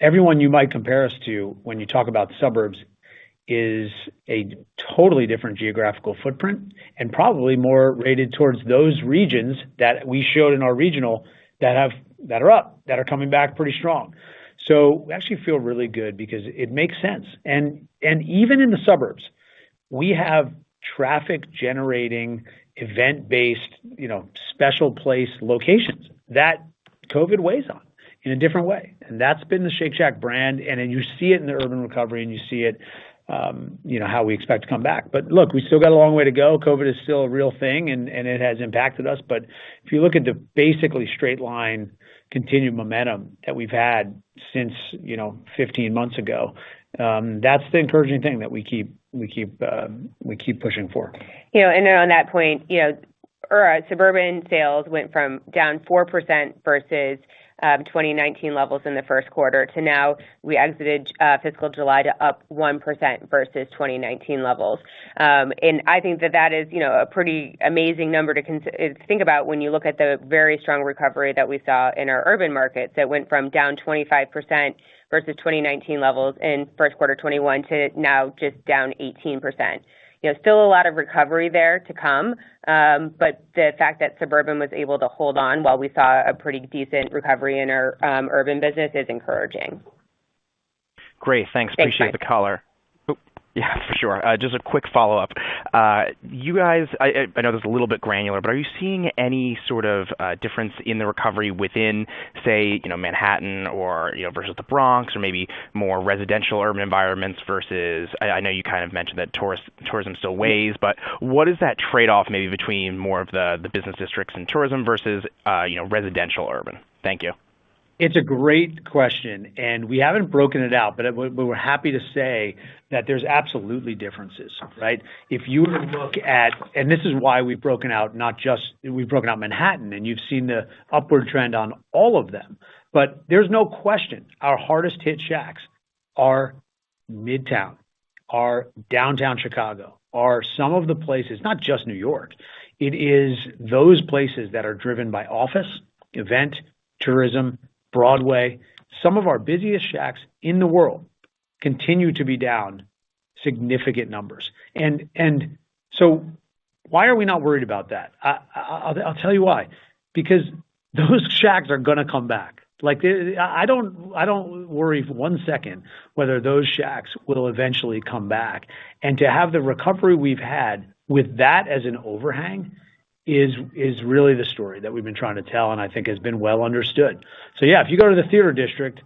Everyone you might compare us to when you talk about suburbs is a totally different geographical footprint and probably more weighted towards those regions that we showed in our regional that are up, that are coming back pretty strong. We actually feel really good because it makes sense. Even in the suburbs, we have traffic-generating, event-based, special place locations that COVID weighs on in a different way. That's been the Shake Shack brand, and then you see it in the urban recovery, and you see it how we expect to come back. Look, we still got a long way to go. COVID is still a real thing, and it has impacted us. If you look at the basically straight line continued momentum that we've had since 15 months ago, that's the encouraging thing that we keep pushing for. On that point, our suburban sales went from down 4% versus 2019 levels in the first quarter to now we exited fiscal July to up 1% versus 2019 levels. I think that that is a pretty amazing number to think about when you look at the very strong recovery that we saw in our urban markets that went from down 25% versus 2019 levels in first quarter 2021 to now just down 18%. Still a lot of recovery there to come. The fact that suburban was able to hold on while we saw a pretty decent recovery in our urban business is encouraging. Great. Thanks. Thanks, Michael Appreciate the color. Yeah, for sure. Just a quick follow-up. I know this is a little bit granular, but are you seeing any sort of difference in the recovery within, say, Manhattan versus the Bronx or maybe more residential urban environments versus I know you kind of mentioned that tourism is still ways, but what is that trade-off maybe between more of the business districts and tourism versus residential urban? Thank you. It's a great question, and we haven't broken it out, but we're happy to say that there's absolutely differences, right? If you were to look at-- This is why we've broken out Manhattan, and you've seen the upward trend on all of them. There's no question our hardest hit Shacks are Midtown, are Downtown Chicago, are some of the places, not just New York. It is those places that are driven by office, event, tourism, Broadway. Some of our busiest Shacks in the world continue to be down significant numbers. Why are we not worried about that? I'll tell you why. Because those Shacks are going to come back. I don't worry for 1 second whether those Shacks will eventually come back. To have the recovery we've had with that as an overhang is really the story that we've been trying to tell and I think has been well understood. Yeah, if you go to the Theater District,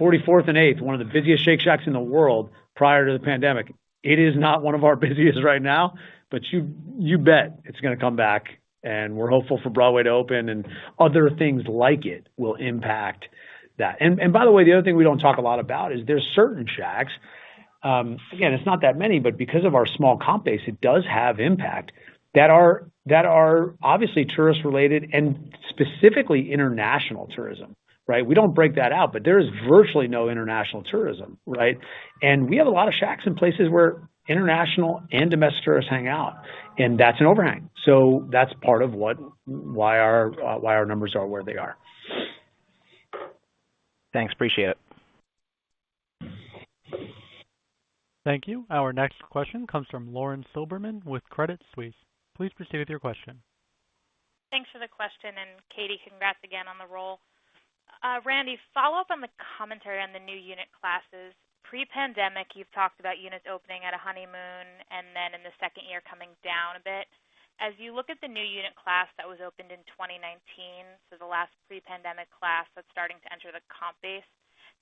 44th and 8th, one of the busiest Shake Shacks in the world prior to the pandemic, it is not one of our busiest right now, but you bet it's going to come back, and we're hopeful for Broadway to open and other things like it will impact that. By the way, the other thing we don't talk a lot about is there's certain Shacks, again, it's not that many, but because of our small comp base, it does have impact, that are obviously tourist-related and specifically international tourism, right? We don't break that out, but there is virtually no international tourism, right? We have a lot of Shacks in places where international and domestic tourists hang out, and that's an overhang. That's part of why our numbers are where they are. Thanks. Appreciate it. Thank you. Our next question comes from Lauren Silberman with Credit Suisse. Please proceed with your question. Thanks for the question, and Katie, congrats again on the role. Randy, follow-up on the commentary on the new unit classes. Pre-pandemic, you've talked about units opening at a honeymoon and then in the second year coming down a bit. As you look at the new unit class that was opened in 2019, so the last pre-pandemic class that's starting to enter the comp base,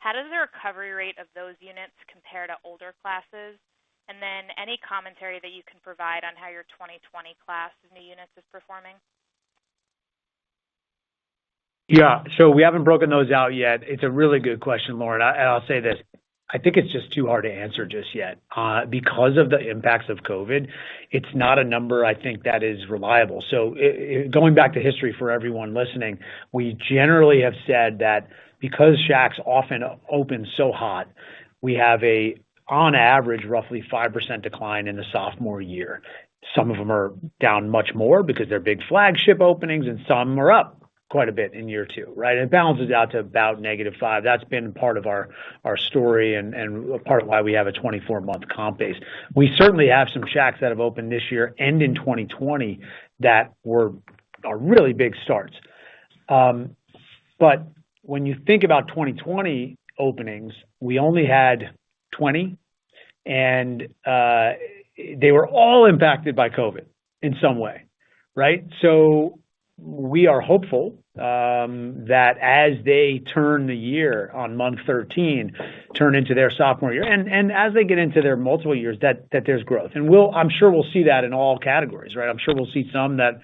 how does the recovery rate of those units compare to older classes? Then any commentary that you can provide on how your 2020 class of new units is performing? Yeah. We haven't broken those out yet. It's a really good question, Lauren, and I'll say this. I think it's just too hard to answer just yet. Because of the impacts of COVID, it's not a number I think that is reliable. Going back to history for everyone listening, we generally have said that because Shacks often open so hot, we have a, on average, roughly 5% decline in the sophomore year. Some of them are down much more because they're big flagship openings, and some are up quite a bit in year two, right? It balances out to about negative five. That's been part of our story and part of why we have a 24-month comp base. We certainly have some Shacks that have opened this year and in 2020 that were really big starts. When you think about 2020 openings, we only had 20, and they were all impacted by COVID in some way, right? We are hopeful that as they turn the year on month 13, turn into their sophomore year, and as they get into their multiple years, that there's growth. I'm sure we'll see that in all categories, right? I'm sure we'll see some that,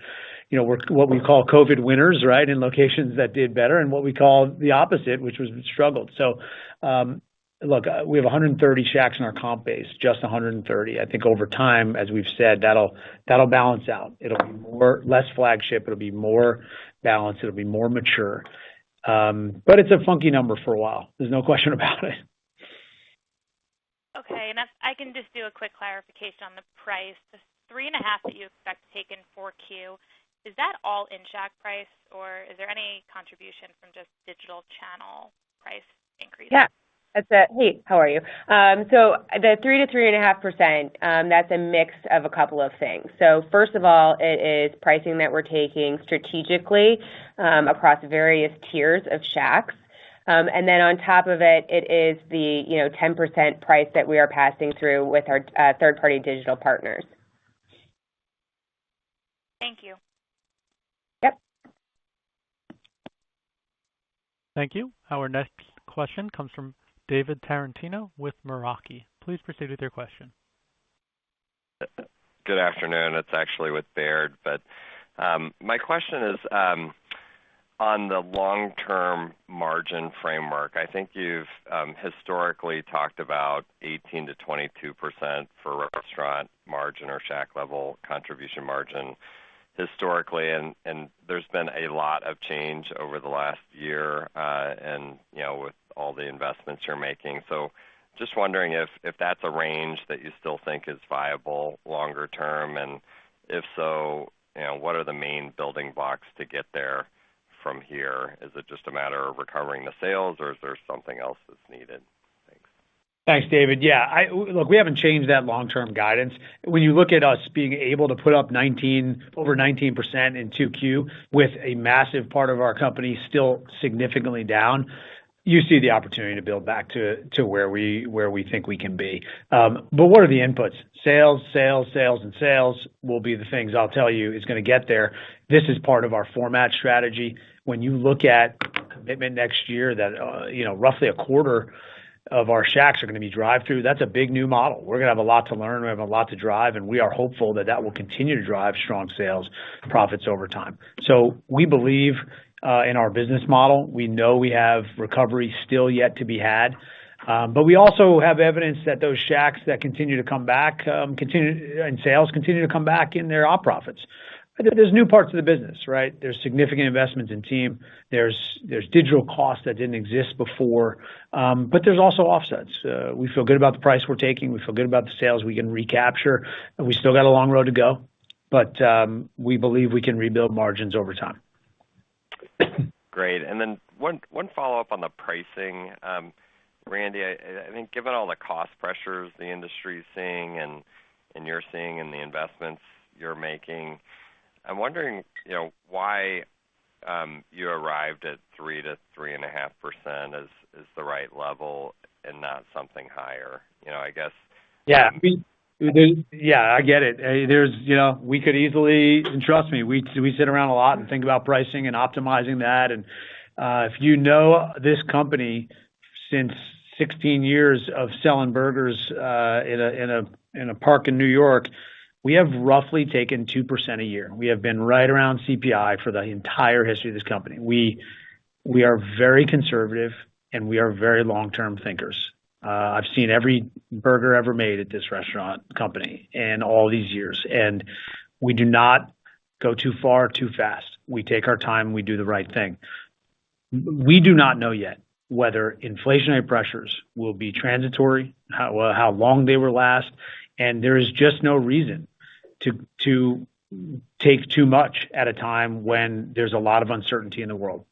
what we call COVID winners, right, in locations that did better, and what we call the opposite, which was struggled. Look, we have 130 Shacks in our comp base, just 130. I think over time, as we've said, that'll balance out. It'll be less flagship. It'll be more balanced. It'll be more mature. It's a funky number for a while. There's no question about it. Okay. I can just do a quick clarification on the price. The 3.5% that you expect to take in 4Q, is that all in-Shack price, or is there any contribution from just digital channel price increases? Yeah. Hey, how are you? The 3%-3.5%, that's a mix of a couple of things. First of all, it is pricing that we're taking strategically across various tiers of Shacks. On top of it is the 10% price that we are passing through with our third-party digital partners. Thank you. Yep. Thank you. Our next question comes from David Tarantino with Meraki. Please proceed with your question. Good afternoon. It's actually with Baird. My question is on the long-term margin framework. I think you've historically talked about 18%-22% for restaurant margin or Shack-level contribution margin historically, and there's been a lot of change over the last year, and with all the investments you're making. Just wondering if that's a range that you still think is viable longer term, and if so, what are the main building blocks to get there from here? Is it just a matter of recovering the sales, or is there something else that's needed? Thanks. Thanks, David. Yeah. Look, we haven't changed that long-term guidance. When you look at us being able to put up over 19% in 2Q with a massive part of our company still significantly down. You see the opportunity to build back to where we think we can be. What are the inputs? Sales, sales, and sales will be the things I'll tell you is going to get there. This is part of our format strategy. When you look at commitment next year that roughly a quarter of our Shacks are going to be drive-through, that's a big new model. We're going to have a lot to learn, we have a lot to drive, and we are hopeful that that will continue to drive strong sales profits over time. We believe in our business model. We know we have recovery still yet to be had. We also have evidence that those Shacks that continue to come back, and sales continue to come back in their op profits. There's new parts of the business, right? There's significant investments in team. There's digital costs that didn't exist before. There's also offsets. We feel good about the price we're taking. We feel good about the sales we can recapture, and we still got a long road to go. We believe we can rebuild margins over time. Great. One follow-up on the pricing. Randy, I think given all the cost pressures the industry is seeing and you're seeing in the investments you're making, I'm wondering why you arrived at 3%-3.5% as the right level and not something higher. Yeah. I get it. We could easily. Trust me, we sit around a lot and think about pricing and optimizing that. If you know this company, since 16 years of selling burgers in a park in New York, we have roughly taken 2% a year. We have been right around CPI for the entire history of this company. We are very conservative, and we are very long-term thinkers. I've seen every burger ever made at this restaurant company in all these years, and we do not go too far too fast. We take our time. We do the right thing. We do not know yet whether inflationary pressures will be transitory, how long they will last, and there is just no reason to take too much at a time when there's a lot of uncertainty in the world.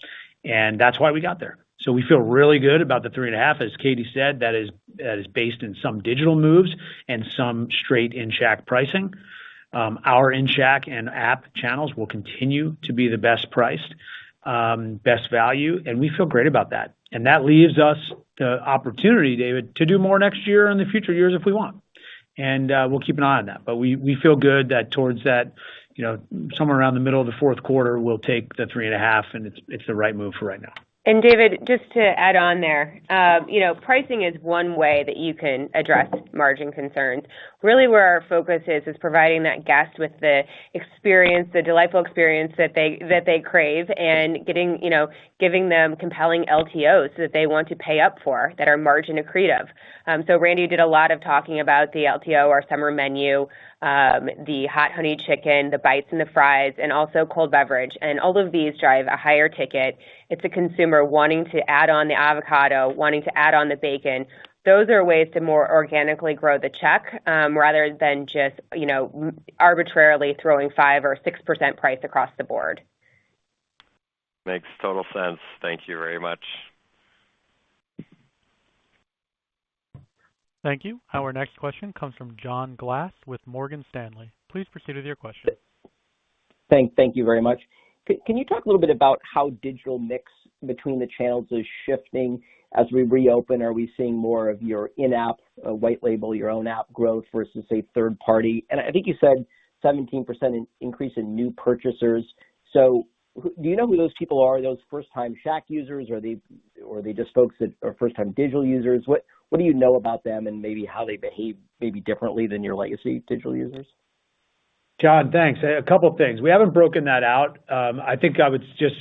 That's why we got there. We feel really good about the 3.5%, as Katie said, that is based in some digital moves and some straight In Shack pricing. Our In Shack and app channels will continue to be the best priced, best value, and we feel great about that. That leaves us the opportunity, David, to do more next year and the future years if we want. We'll keep an eye on that. We feel good that towards that, somewhere around the middle of the fourth quarter, we'll take the 3.5%, and it's the right move for right now. David, just to add on there. Pricing is one way that you can address margin concerns. Really where our focus is providing that guest with the delightful experience that they crave and giving them compelling LTOs that they want to pay up for, that are margin accretive. Randy did a lot of talking about the LTO, our summer menu, the Hot Honey Chicken, the bites and the fries, and also cold beverage. All of these drive a higher ticket. It's the consumer wanting to add on the avocado, wanting to add on the bacon. Those are ways to more organically grow the check, rather than just arbitrarily throwing 5% or 6% price across the board. Makes total sense. Thank you very much. Thank you. Our next question comes from John Glass with Morgan Stanley. Please proceed with your question. Thank you very much. Can you talk a little bit about how digital mix between the channels is shifting as we reopen? Are we seeing more of your in-app white label, your own app growth versus, say, third party? I think you said 17% increase in new purchasers. Do you know who those people are, those first time Shack users, or are they just folks that are first time digital users? What do you know about them and maybe how they behave maybe differently than your legacy digital users? John, thanks. A couple things. We haven't broken that out. I think I would just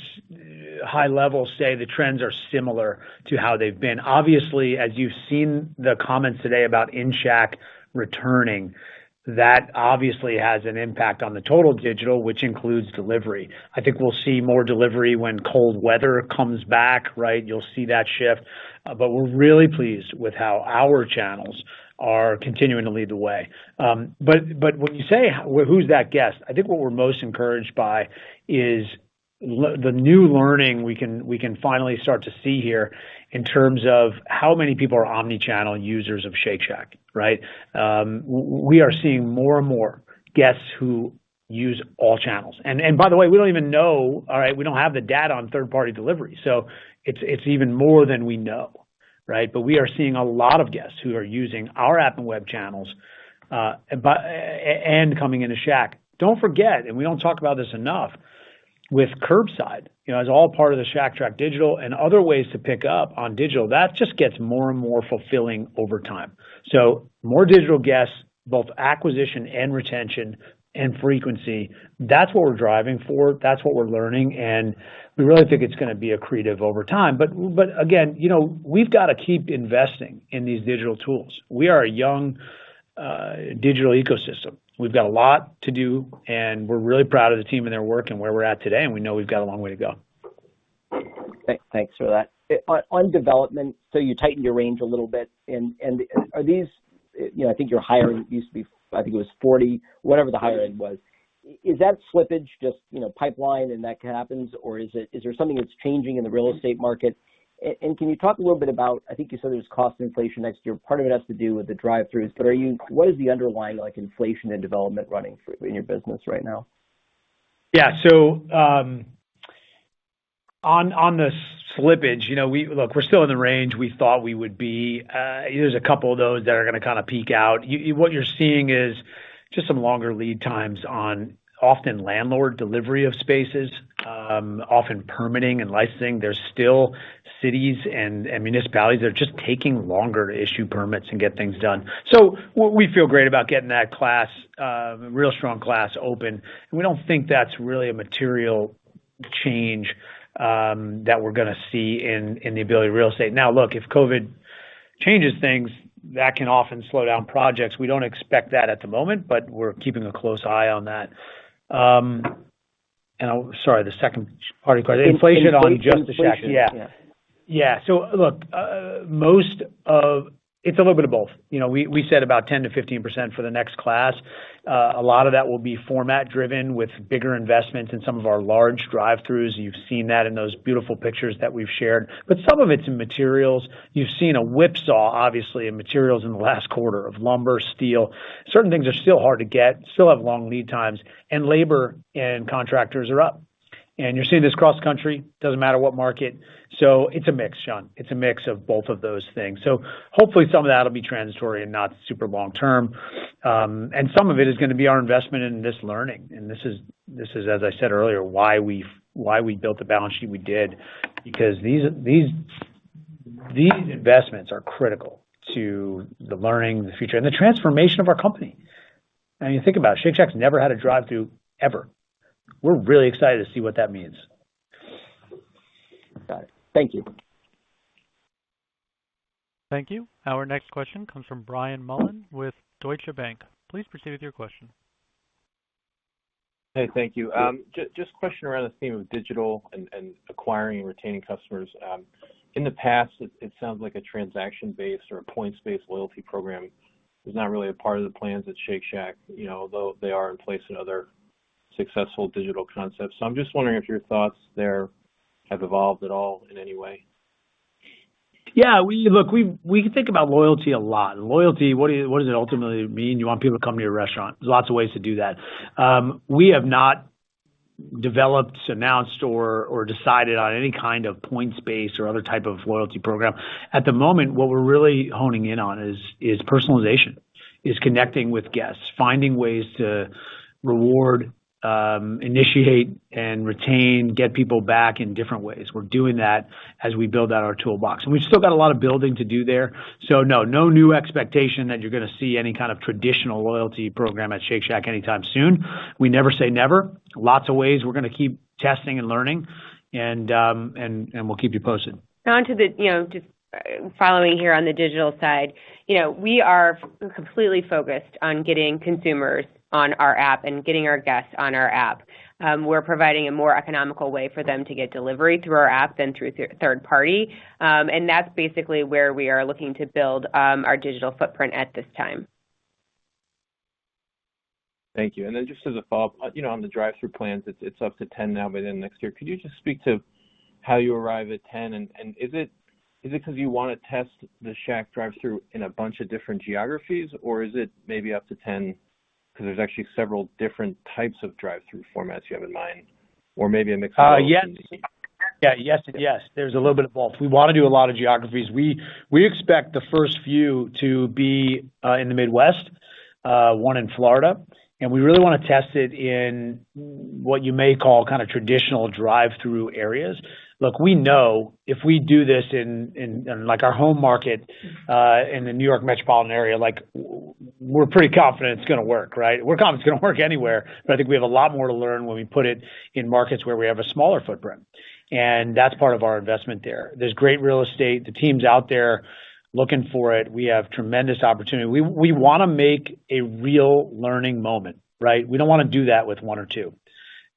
high level say the trends are similar to how they've been. Obviously, as you've seen the comments today about In Shack returning, that obviously has an impact on the total digital, which includes delivery. I think we'll see more delivery when cold weather comes back. You'll see that shift. We're really pleased with how our channels are continuing to lead the way. When you say, who's that guest? I think what we're most encouraged by is the new learning we can finally start to see here in terms of how many people are omni-channel users of Shake Shack. We are seeing more and more guests who use all channels. By the way, we don't even know. We don't have the data on third party delivery. It's even more than we know. We are seeing a lot of guests who are using our app and web channels, and coming into Shack. Don't forget, and we don't talk about this enough, with curbside. It's all part of the Shack Track digital and other ways to pick up on digital. That just gets more and more fulfilling over time. More digital guests, both acquisition and retention and frequency. That's what we're driving for. That's what we're learning, and we really think it's going to be accretive over time. Again, we've got to keep investing in these digital tools. We are a young digital ecosystem. We've got a lot to do, and we're really proud of the team and their work and where we're at today, and we know we've got a long way to go. Thanks for that. On development, you tightened your range a little bit. I think your higher end used to be, I think it was 40, whatever the higher end was. Is that slippage just pipeline and that happens, or is there something that's changing in the real estate market? Can you talk a little bit about, I think you said there's cost inflation next year. Part of it has to do with the drive-throughs, what is the underlying inflation and development running in your business right now? Yeah. On the slippage, look, we're still in the range we thought we would be. There's a couple of those that are going to peak out. What you're seeing is just some longer lead times on often landlord delivery of spaces, often permitting and licensing. There's still cities and municipalities that are just taking longer to issue permits and get things done. We feel great about getting that real strong class open, and we don't think that's really a material change that we're going to see in the ability of real estate. Now, look, if COVID changes things, that can often slow down projects. We don't expect that at the moment, but we're keeping a close eye on that. Sorry, the second part of your question. Inflation. Inflation on just the Shack. Yeah. Look, it's a little bit of both. We said about 10%-15% for the next class. A lot of that will be format driven with bigger investments in some of our large drive-throughs. You've seen that in those beautiful pictures that we've shared. Some of it's in materials. You've seen a whipsaw, obviously, in materials in the last quarter, of lumber, steel. Certain things are still hard to get, still have long lead times, and labor and contractors are up. You're seeing this cross-country, doesn't matter what market. It's a mix, John. It's a mix of both of those things. Hopefully, some of that'll be transitory and not super long term. Some of it is going to be our investment in this learning. This is, as I said earlier, why we built the balance sheet we did, because these investments are critical to the learning, the future, and the transformation of our company. You think about it, Shake Shack's never had a drive-through, ever. We're really excited to see what that means. Got it. Thank you. Thank you. Our next question comes from Brian Mullan with Deutsche Bank. Please proceed with your question. Hey, thank you. Just a question around the theme of digital and acquiring and retaining customers. In the past, it sounds like a transaction-based or a points-based loyalty program is not really a part of the plans at Shake Shack, although they are in place in other successful digital concepts. I'm just wondering if your thoughts there have evolved at all in any way? Yeah. Look, we think about loyalty a lot. Loyalty, what does it ultimately mean? You want people to come to your restaurant. There's lots of ways to do that. We have not developed, announced, or decided on any kind of points-based or other type of loyalty program. At the moment, what we're really honing in on is personalization, is connecting with guests, finding ways to reward, initiate, and retain, get people back in different ways. We're doing that as we build out our toolbox. We've still got a lot of building to do there. No, no new expectation that you're going to see any kind of traditional loyalty program at Shake Shack anytime soon. We never say never. Lots of ways we're going to keep testing and learning, and we'll keep you posted. Following here on the digital side, we are completely focused on getting consumers on our app and getting our guests on our app. We're providing a more economical way for them to get delivery through our app than through third-party. That's basically where we are looking to build our digital footprint at this time. Thank you. Just as a follow-up, on the drive-through plans, it is up to 10 now within next year. Could you just speak to how you arrive at 10? Is it because you want to test the Shack drive-through in a bunch of different geographies, or is it maybe up to 10 because there is actually several different types of drive-through formats you have in mind? Or maybe a mix of both? Yes. There's a little bit of both. We want to do a lot of geographies. We expect the first few to be in the Midwest, one in Florida. We really want to test it in what you may call traditional drive-through areas. Look, we know if we do this in our home market, in the New York metropolitan area, we're pretty confident it's going to work, right? We're confident it's going to work anywhere, but I think we have a lot more to learn when we put it in markets where we have a smaller footprint. That's part of our investment there. There's great real estate. The team's out there looking for it. We have tremendous opportunity. We want to make a real learning moment, right? We don't want to do that with one or two.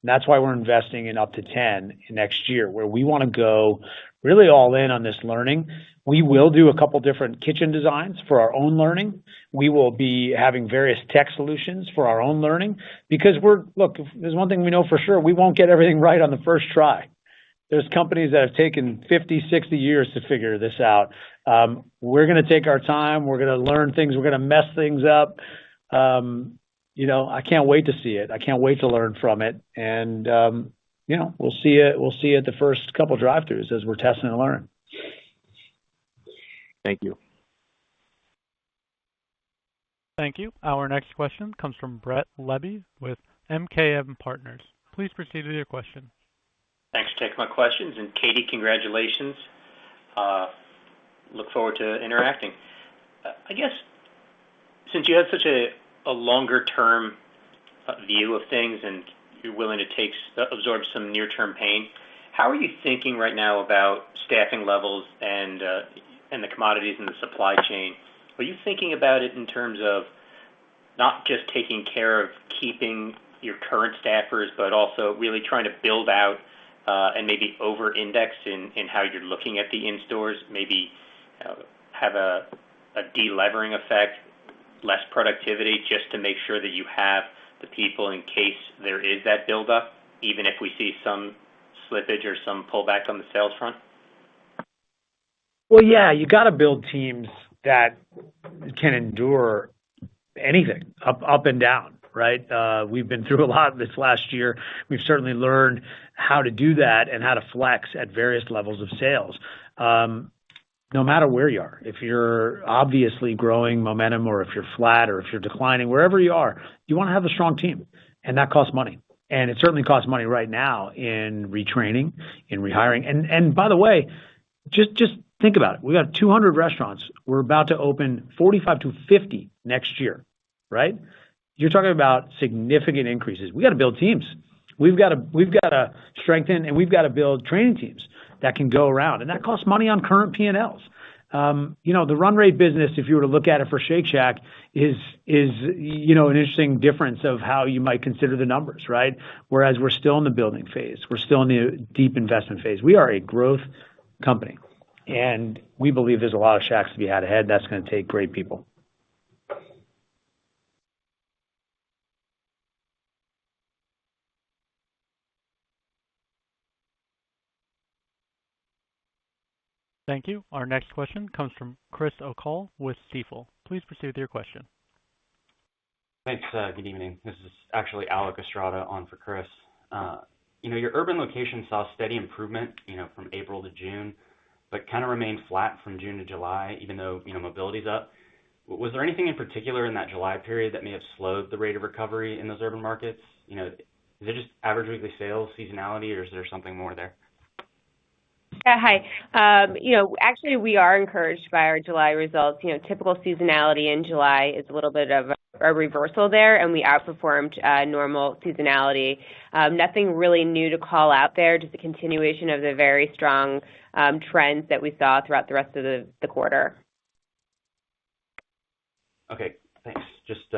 That's why we're investing in up to 10 next year, where we want to go really all in on this learning. We will do a couple different kitchen designs for our own learning. We will be having various tech solutions for our own learning because, look, if there's one thing we know for sure, we won't get everything right on the first try. There's companies that have taken 50, 60 years to figure this out. We're going to take our time, we're going to learn things, we're going to mess things up. I can't wait to see it. I can't wait to learn from it. We'll see at the first couple drive-throughs as we're testing and learning. Thank you. Thank you. Our next question comes from Brett Levy with MKM Partners. Please proceed with your question. Thanks for taking my questions. Katie, congratulations. Look forward to interacting. I guess since you have such a longer term view of things and you're willing to absorb some near term pain, how are you thinking right now about staffing levels and the commodities and the supply chain? Are you thinking about it in terms of not just taking care of keeping your current staffers, but also really trying to build out, and maybe over-index in how you're looking at the in stores, maybe have a de-levering effect, less productivity, just to make sure that you have the people in case there is that build-up, even if we see some slippage or some pullback on the sales front? Well, yeah. You got to build teams that can endure anything, up and down, right? We've been through a lot this last year. We've certainly learned how to do that and how to flex at various levels of sales. No matter where you are, if you're obviously growing momentum or if you're flat or if you're declining, wherever you are, you want to have a strong team, and that costs money. It certainly costs money right now in retraining, in rehiring. By the way, just think about it. We got 200 restaurants. We're about to open 45 to 50 next year, right? You're talking about significant increases. We got to build teams. We've got to strengthen, and we've got to build training teams that can go around, and that costs money on current P&Ls. The run rate business, if you were to look at it for Shake Shack, is an interesting difference of how you might consider the numbers, right? We're still in the building phase, we're still in the deep investment phase. We are a growth company, and we believe there's a lot of Shacks to be had ahead. That's going to take great people. Thank you. Our next question comes from Chris O'Cull with Stifel. Please proceed with your question. Thanks. Good evening. This is actually Alec Estrada on for Chris. Your urban location saw steady improvement from April to June but kind of remained flat from June to July, even though mobility is up. Was there anything in particular in that July period that may have slowed the rate of recovery in those urban markets? Is it just average weekly sales seasonality, or is there something more there? Yeah, hi. Actually, we are encouraged by our July results. Typical seasonality in July is a little bit of a reversal there, and we outperformed normal seasonality. Nothing really new to call out there, just a continuation of the very strong trends that we saw throughout the rest of the quarter. Okay, thanks. Just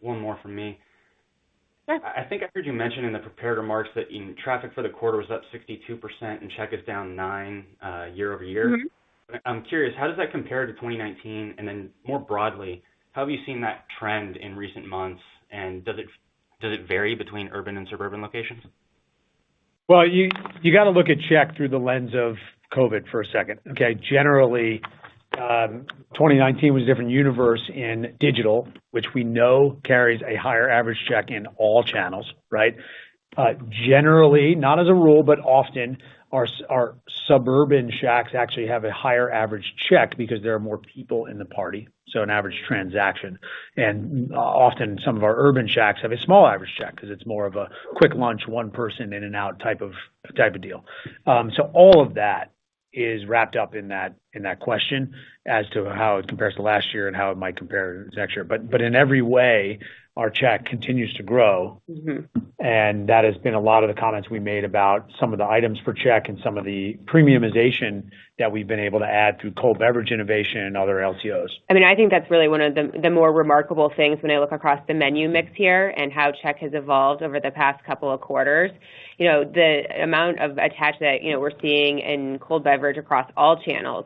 one more from me. Yes. I think I heard you mention in the prepared remarks that traffic for the quarter was up 62% and check is down 9% year-over-year. I'm curious, how does that compare to 2019? More broadly, how have you seen that trend in recent months, and does it vary between urban and suburban locations? Well, you got to look at check through the lens of COVID for a second, okay? Generally, 2019 was a different universe in digital, which we know carries a higher average check in all channels, right? Generally, not as a rule, but often our suburban Shacks actually have a higher average check because there are more people in the party, so an average transaction. Often, some of our urban Shacks have a small average check because it's more of a quick lunch, one person, in and out type of deal. All of that is wrapped up in that question as to how it compares to last year and how it might compare to next year. In every way, our check continues to grow. That has been a lot of the comments we made about some of the items for check and some of the premiumization that we've been able to add through cold beverage innovation and other LTOs. I think that's really one of the more remarkable things when I look across the menu mix here and how check has evolved over the past two quarters. The amount of attach that we're seeing in cold beverage across all channels,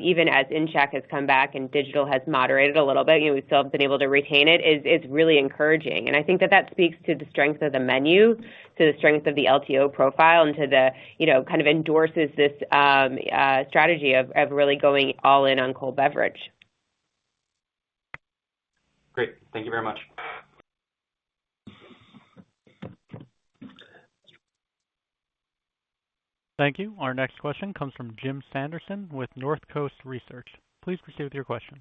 even as in check has come back and digital has moderated a little bit, we still have been able to retain it, is really encouraging. I think that speaks to the strength of the menu, to the strength of the LTO profile, and kind of endorses this strategy of really going all in on cold beverage. Great. Thank you very much. Thank you. Our next question comes from Jim Sanderson with Northcoast Research. Please proceed with your question.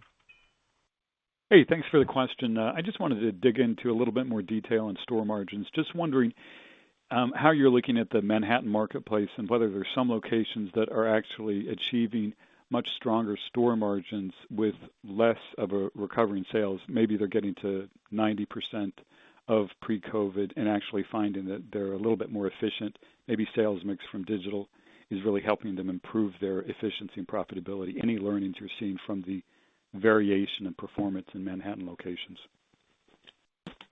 Hey, thanks for the question. I just wanted to dig into a little bit more detail on store margins. Just wondering how you're looking at the Manhattan marketplace and whether there's some locations that are actually achieving much stronger store margins with less of a recovery in sales. Maybe they're getting to 90% of pre-COVID and actually finding that they're a little bit more efficient. Maybe sales mix from digital is really helping them improve their efficiency and profitability. Any learnings you're seeing from the variation in performance in Manhattan locations?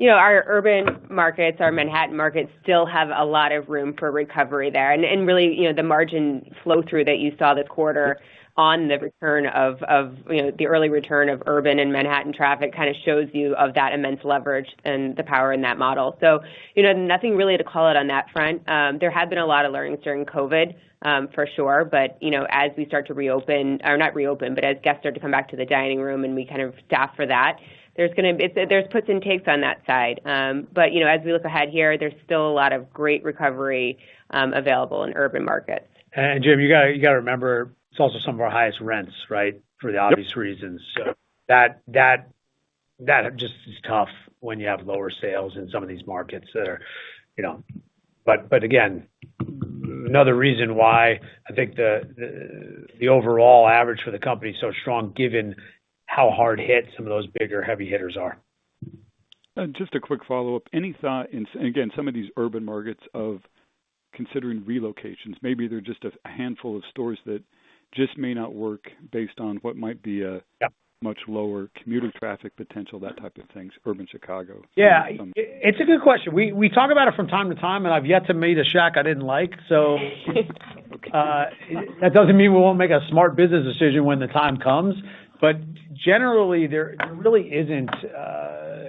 Our urban markets, our Manhattan markets still have a lot of room for recovery there. Really, the margin flow-through that you saw this quarter on the early return of urban and Manhattan traffic kind of shows you of that immense leverage and the power in that model. Nothing really to call out on that front. There have been a lot of learnings during COVID, for sure. As we start to reopen, or not reopen, but as guests start to come back to the dining room and we kind of staff for that, there's puts and takes on that side. As we look ahead here, there's still a lot of great recovery available in urban markets. Jim, you got to remember, it's also some of our highest rents, right? For the obvious reasons. Yep. That just is tough when you have lower sales in some of these markets. Again, another reason why I think the overall average for the company is so strong given how hard hit some of those bigger heavy hitters are. Just a quick follow-up. Any thought in, again, some of these urban markets of considering relocations? Maybe they're just a handful of stores that just may not work based on what might be. Yep Much lower commuter traffic potential, that type of thing. Urban Chicago. It's a good question. We talk about it from time to time, and I've yet to meet a Shack I didn't like, so. That doesn't mean we won't make a smart business decision when the time comes. Generally, there really isn't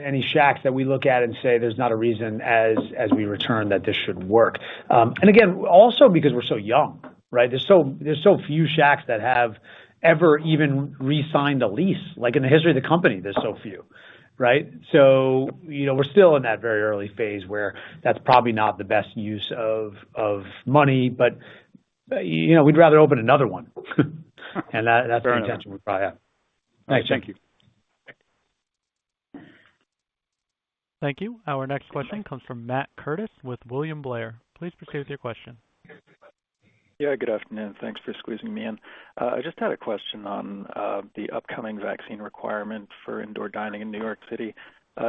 any Shacks that we look at and say there's not a reason as we return that this should work. Again, also because we're so young, right? There's so few Shacks that have ever even re-signed a lease. Like in the history of the company, there's so few, right? We're still in that very early phase where that's probably not the best use of money, but we'd rather open another one. Fair enough. That's the intention we probably have. Nice. Thank you. Okay, thank you. Thank you. Our next question comes from Matt Curtis with William Blair. Please proceed with your question. Yeah, good afternoon. Thanks for squeezing me in. I just had a question on the upcoming vaccine requirement for indoor dining in New York City.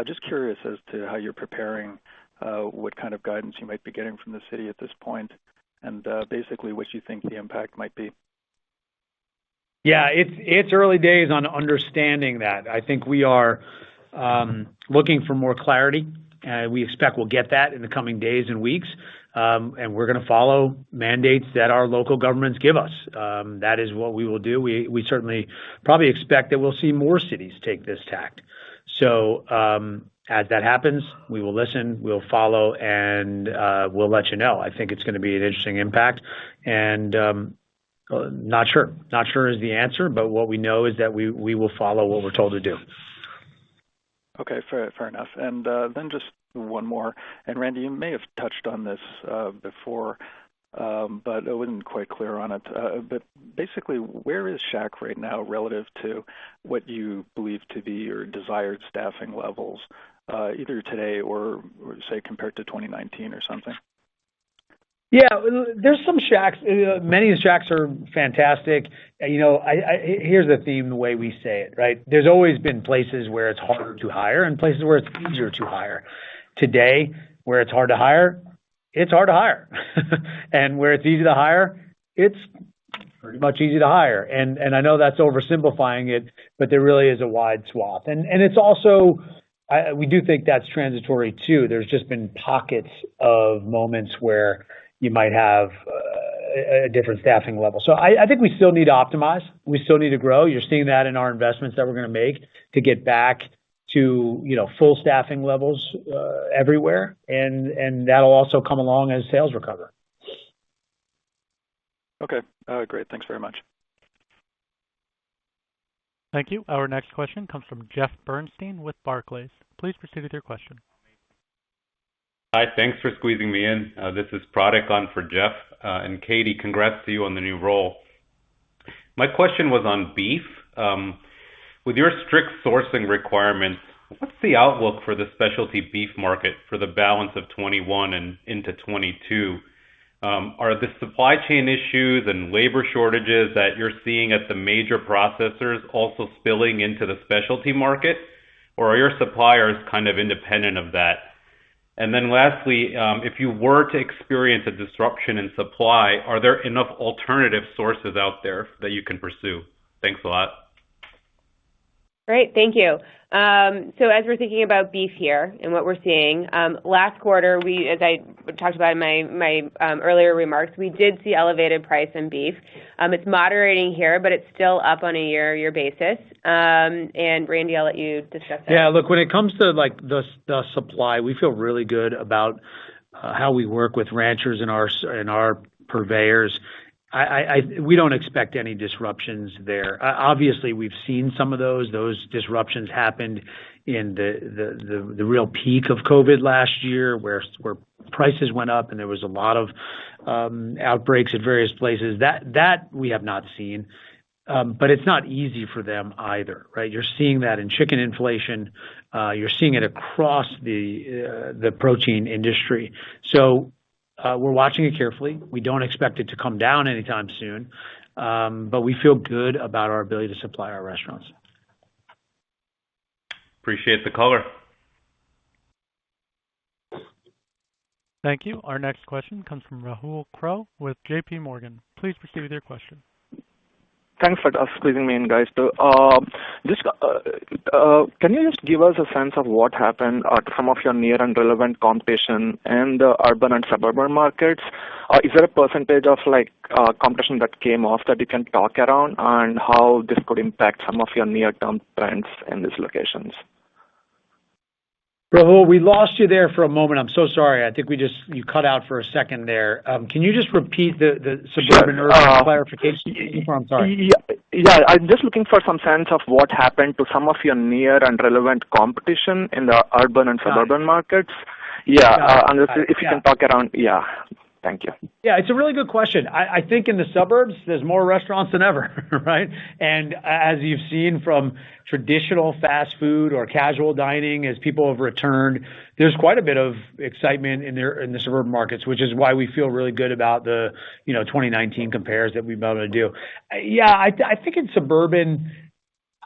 Just curious as to how you're preparing, what kind of guidance you might be getting from the city at this point, and basically what you think the impact might be? Yeah. It's early days on understanding that. I think we are looking for more clarity. We expect we'll get that in the coming days and weeks. We're going to follow mandates that our local governments give us. That is what we will do. We certainly probably expect that we'll see more cities take this tact. As that happens, we will listen, we'll follow, and we'll let you know. I think it's going to be an interesting impact and not sure. Not sure is the answer, but what we know is that we will follow what we're told to do. Okay. Fair enough. Just one more, Randy, you may have touched on this before, but I wasn't quite clear on it. Basically, where is Shack right now relative to what you believe to be your desired staffing levels, either today or say, compared to 2019 or something? Yeah, there's some Shacks, many of the Shacks are fantastic. Here's the theme the way we say it, right? There's always been places where it's harder to hire and places where it's easier to hire. Today, where it's hard to hire, it's hard to hire. Where it's easy to hire, it's pretty much easy to hire. I know that's oversimplifying it, but there really is a wide swath. It's also, we do think that's transitory, too. There's just been pockets of moments where you might have a different staffing level. I think we still need to optimize. We still need to grow. You're seeing that in our investments that we're going to make to get back to full staffing levels everywhere, and that'll also come along as sales recover. Okay. Great. Thanks very much. Thank you. Our next question comes from Jeff Bernstein with Barclays. Please proceed with your question. Hi, thanks for squeezing me in. This is Pratik on for Jeff. Katie, congrats to you on the new role. My question was on beef. With your strict sourcing requirements, what's the outlook for the specialty beef market for the balance of 2021 and into 2022? Are the supply chain issues and labor shortages that you're seeing at the major processors also spilling into the specialty market, or are your suppliers kind of independent of that? Lastly, if you were to experience a disruption in supply, are there enough alternative sources out there that you can pursue? Thanks a lot. Great. Thank you. As we're thinking about beef here and what we're seeing, last quarter, as I talked about in my earlier remarks, we did see elevated price in beef. It's moderating here, but it's still up on a year-over-year basis. Randy, I'll let you discuss that. Yeah. Look, when it comes to the supply, we feel really good about how we work with ranchers and our purveyors. We don't expect any disruptions there. Obviously, we've seen some of those. Those disruptions happened in the real peak of COVID last year, where prices went up and there was a lot of outbreaks at various places. That we have not seen. It's not easy for them either, right? You're seeing that in chicken inflation. You're seeing it across the protein industry. We're watching it carefully. We don't expect it to come down anytime soon. We feel good about our ability to supply our restaurants. Appreciate the color. Thank you. Our next question comes from Rahul Krotthapalli with JPMorgan. Please proceed with your question. Thanks for squeezing me in, guys. Can you just give us a sense of what happened at some of your near and relevant competition in the urban and suburban markets? Is there a % of competition that came off that you can talk around, and how this could impact some of your near-term plans in these locations? Rahul, we lost you there for a moment. I'm so sorry. I think you cut out for a second there. Can you just repeat the suburban, urban clarification piece for me? I'm sorry. Sure. Yeah. I'm just looking for some sense of what happened to some of your near and relevant competition in the urban and suburban markets. Got it. Yeah. Yeah. Thank you. Yeah. It's a really good question. I think in the suburbs, there's more restaurants than ever, right? As you've seen from traditional fast food or casual dining, as people have returned, there's quite a bit of excitement in the suburban markets, which is why we feel really good about the 2019 compares that we've been able to do. Yeah, I think in suburban,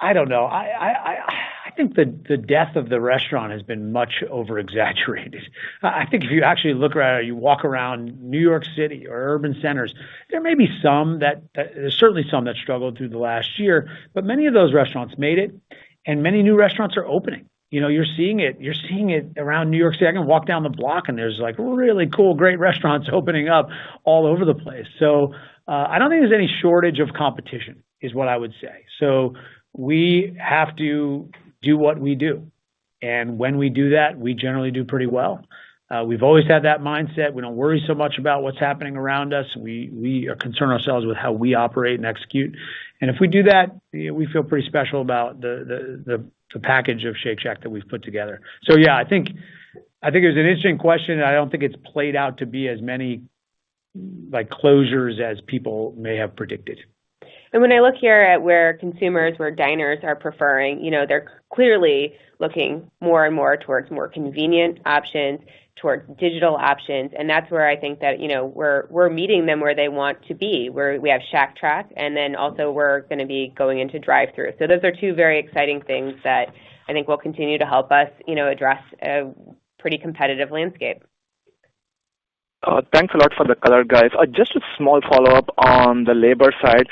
I don't know. I think the death of the restaurant has been much over-exaggerated. I think if you actually look around, you walk around New York City or urban centers, there may be certainly some that struggled through the last year, but many of those restaurants made it, and many new restaurants are opening. You're seeing it around New York City. I can walk down the block and there's really cool, great restaurants opening up all over the place. I don't think there's any shortage of competition, is what I would say. We have to do what we do. And when we do that, we generally do pretty well. We've always had that mindset. We don't worry so much about what's happening around us. We concern ourselves with how we operate and execute. If we do that, we feel pretty special about the package of Shake Shack that we've put together. Yeah, I think it was an interesting question, and I don't think it's played out to be as many closures as people may have predicted. When I look here at where consumers, where diners are preferring, they're clearly looking more and more towards more convenient options, towards digital options. That's where I think that we're meeting them where they want to be. We have Shack Track, and then also we're going to be going into drive-thru. Those are two very exciting things that I think will continue to help us address a pretty competitive landscape. Thanks a lot for the color, guys. Just a small follow-up on the labor side.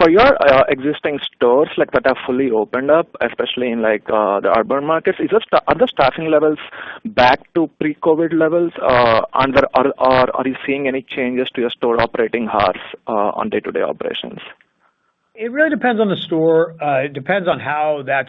For your existing stores that have fully opened up, especially in the urban markets, are the staffing levels back to pre-COVID levels? Are you seeing any changes to your store operating hours on day-to-day operations? It really depends on the store. It depends on how that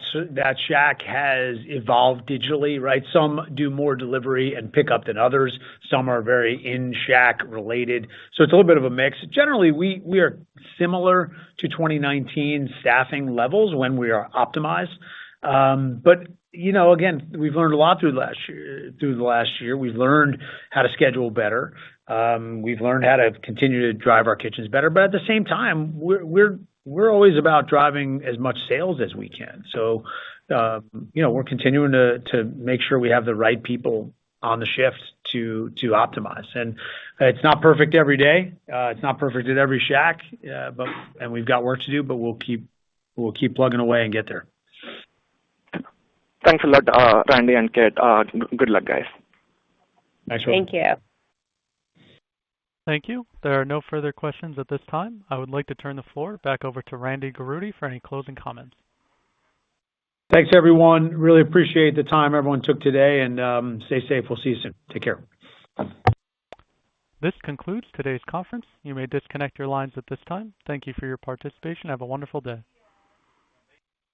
Shack has evolved digitally, right? Some do more delivery and pickup than others. Some are very in-Shack related. It's a little bit of a mix. Generally, we are similar to 2019 staffing levels when we are optimized. Again, we've learned a lot through the last year. We've learned how to schedule better. We've learned how to continue to drive our kitchens better. At the same time, we're always about driving as much sales as we can. We're continuing to make sure we have the right people on the shift to optimize. It's not perfect every day. It's not perfect at every Shack. We've got work to do, but we'll keep plugging away and get there. Thanks a lot, Randy and Kate. Good luck, guys. Thanks. Thank you. Thank you. There are no further questions at this time. I would like to turn the floor back over to Randy Garutti for any closing comments. Thanks, everyone. Really appreciate the time everyone took today. Stay safe. We'll see you soon. Take care. This concludes today's conference. You may disconnect your lines at this time. Thank you for your participation. Have a wonderful day.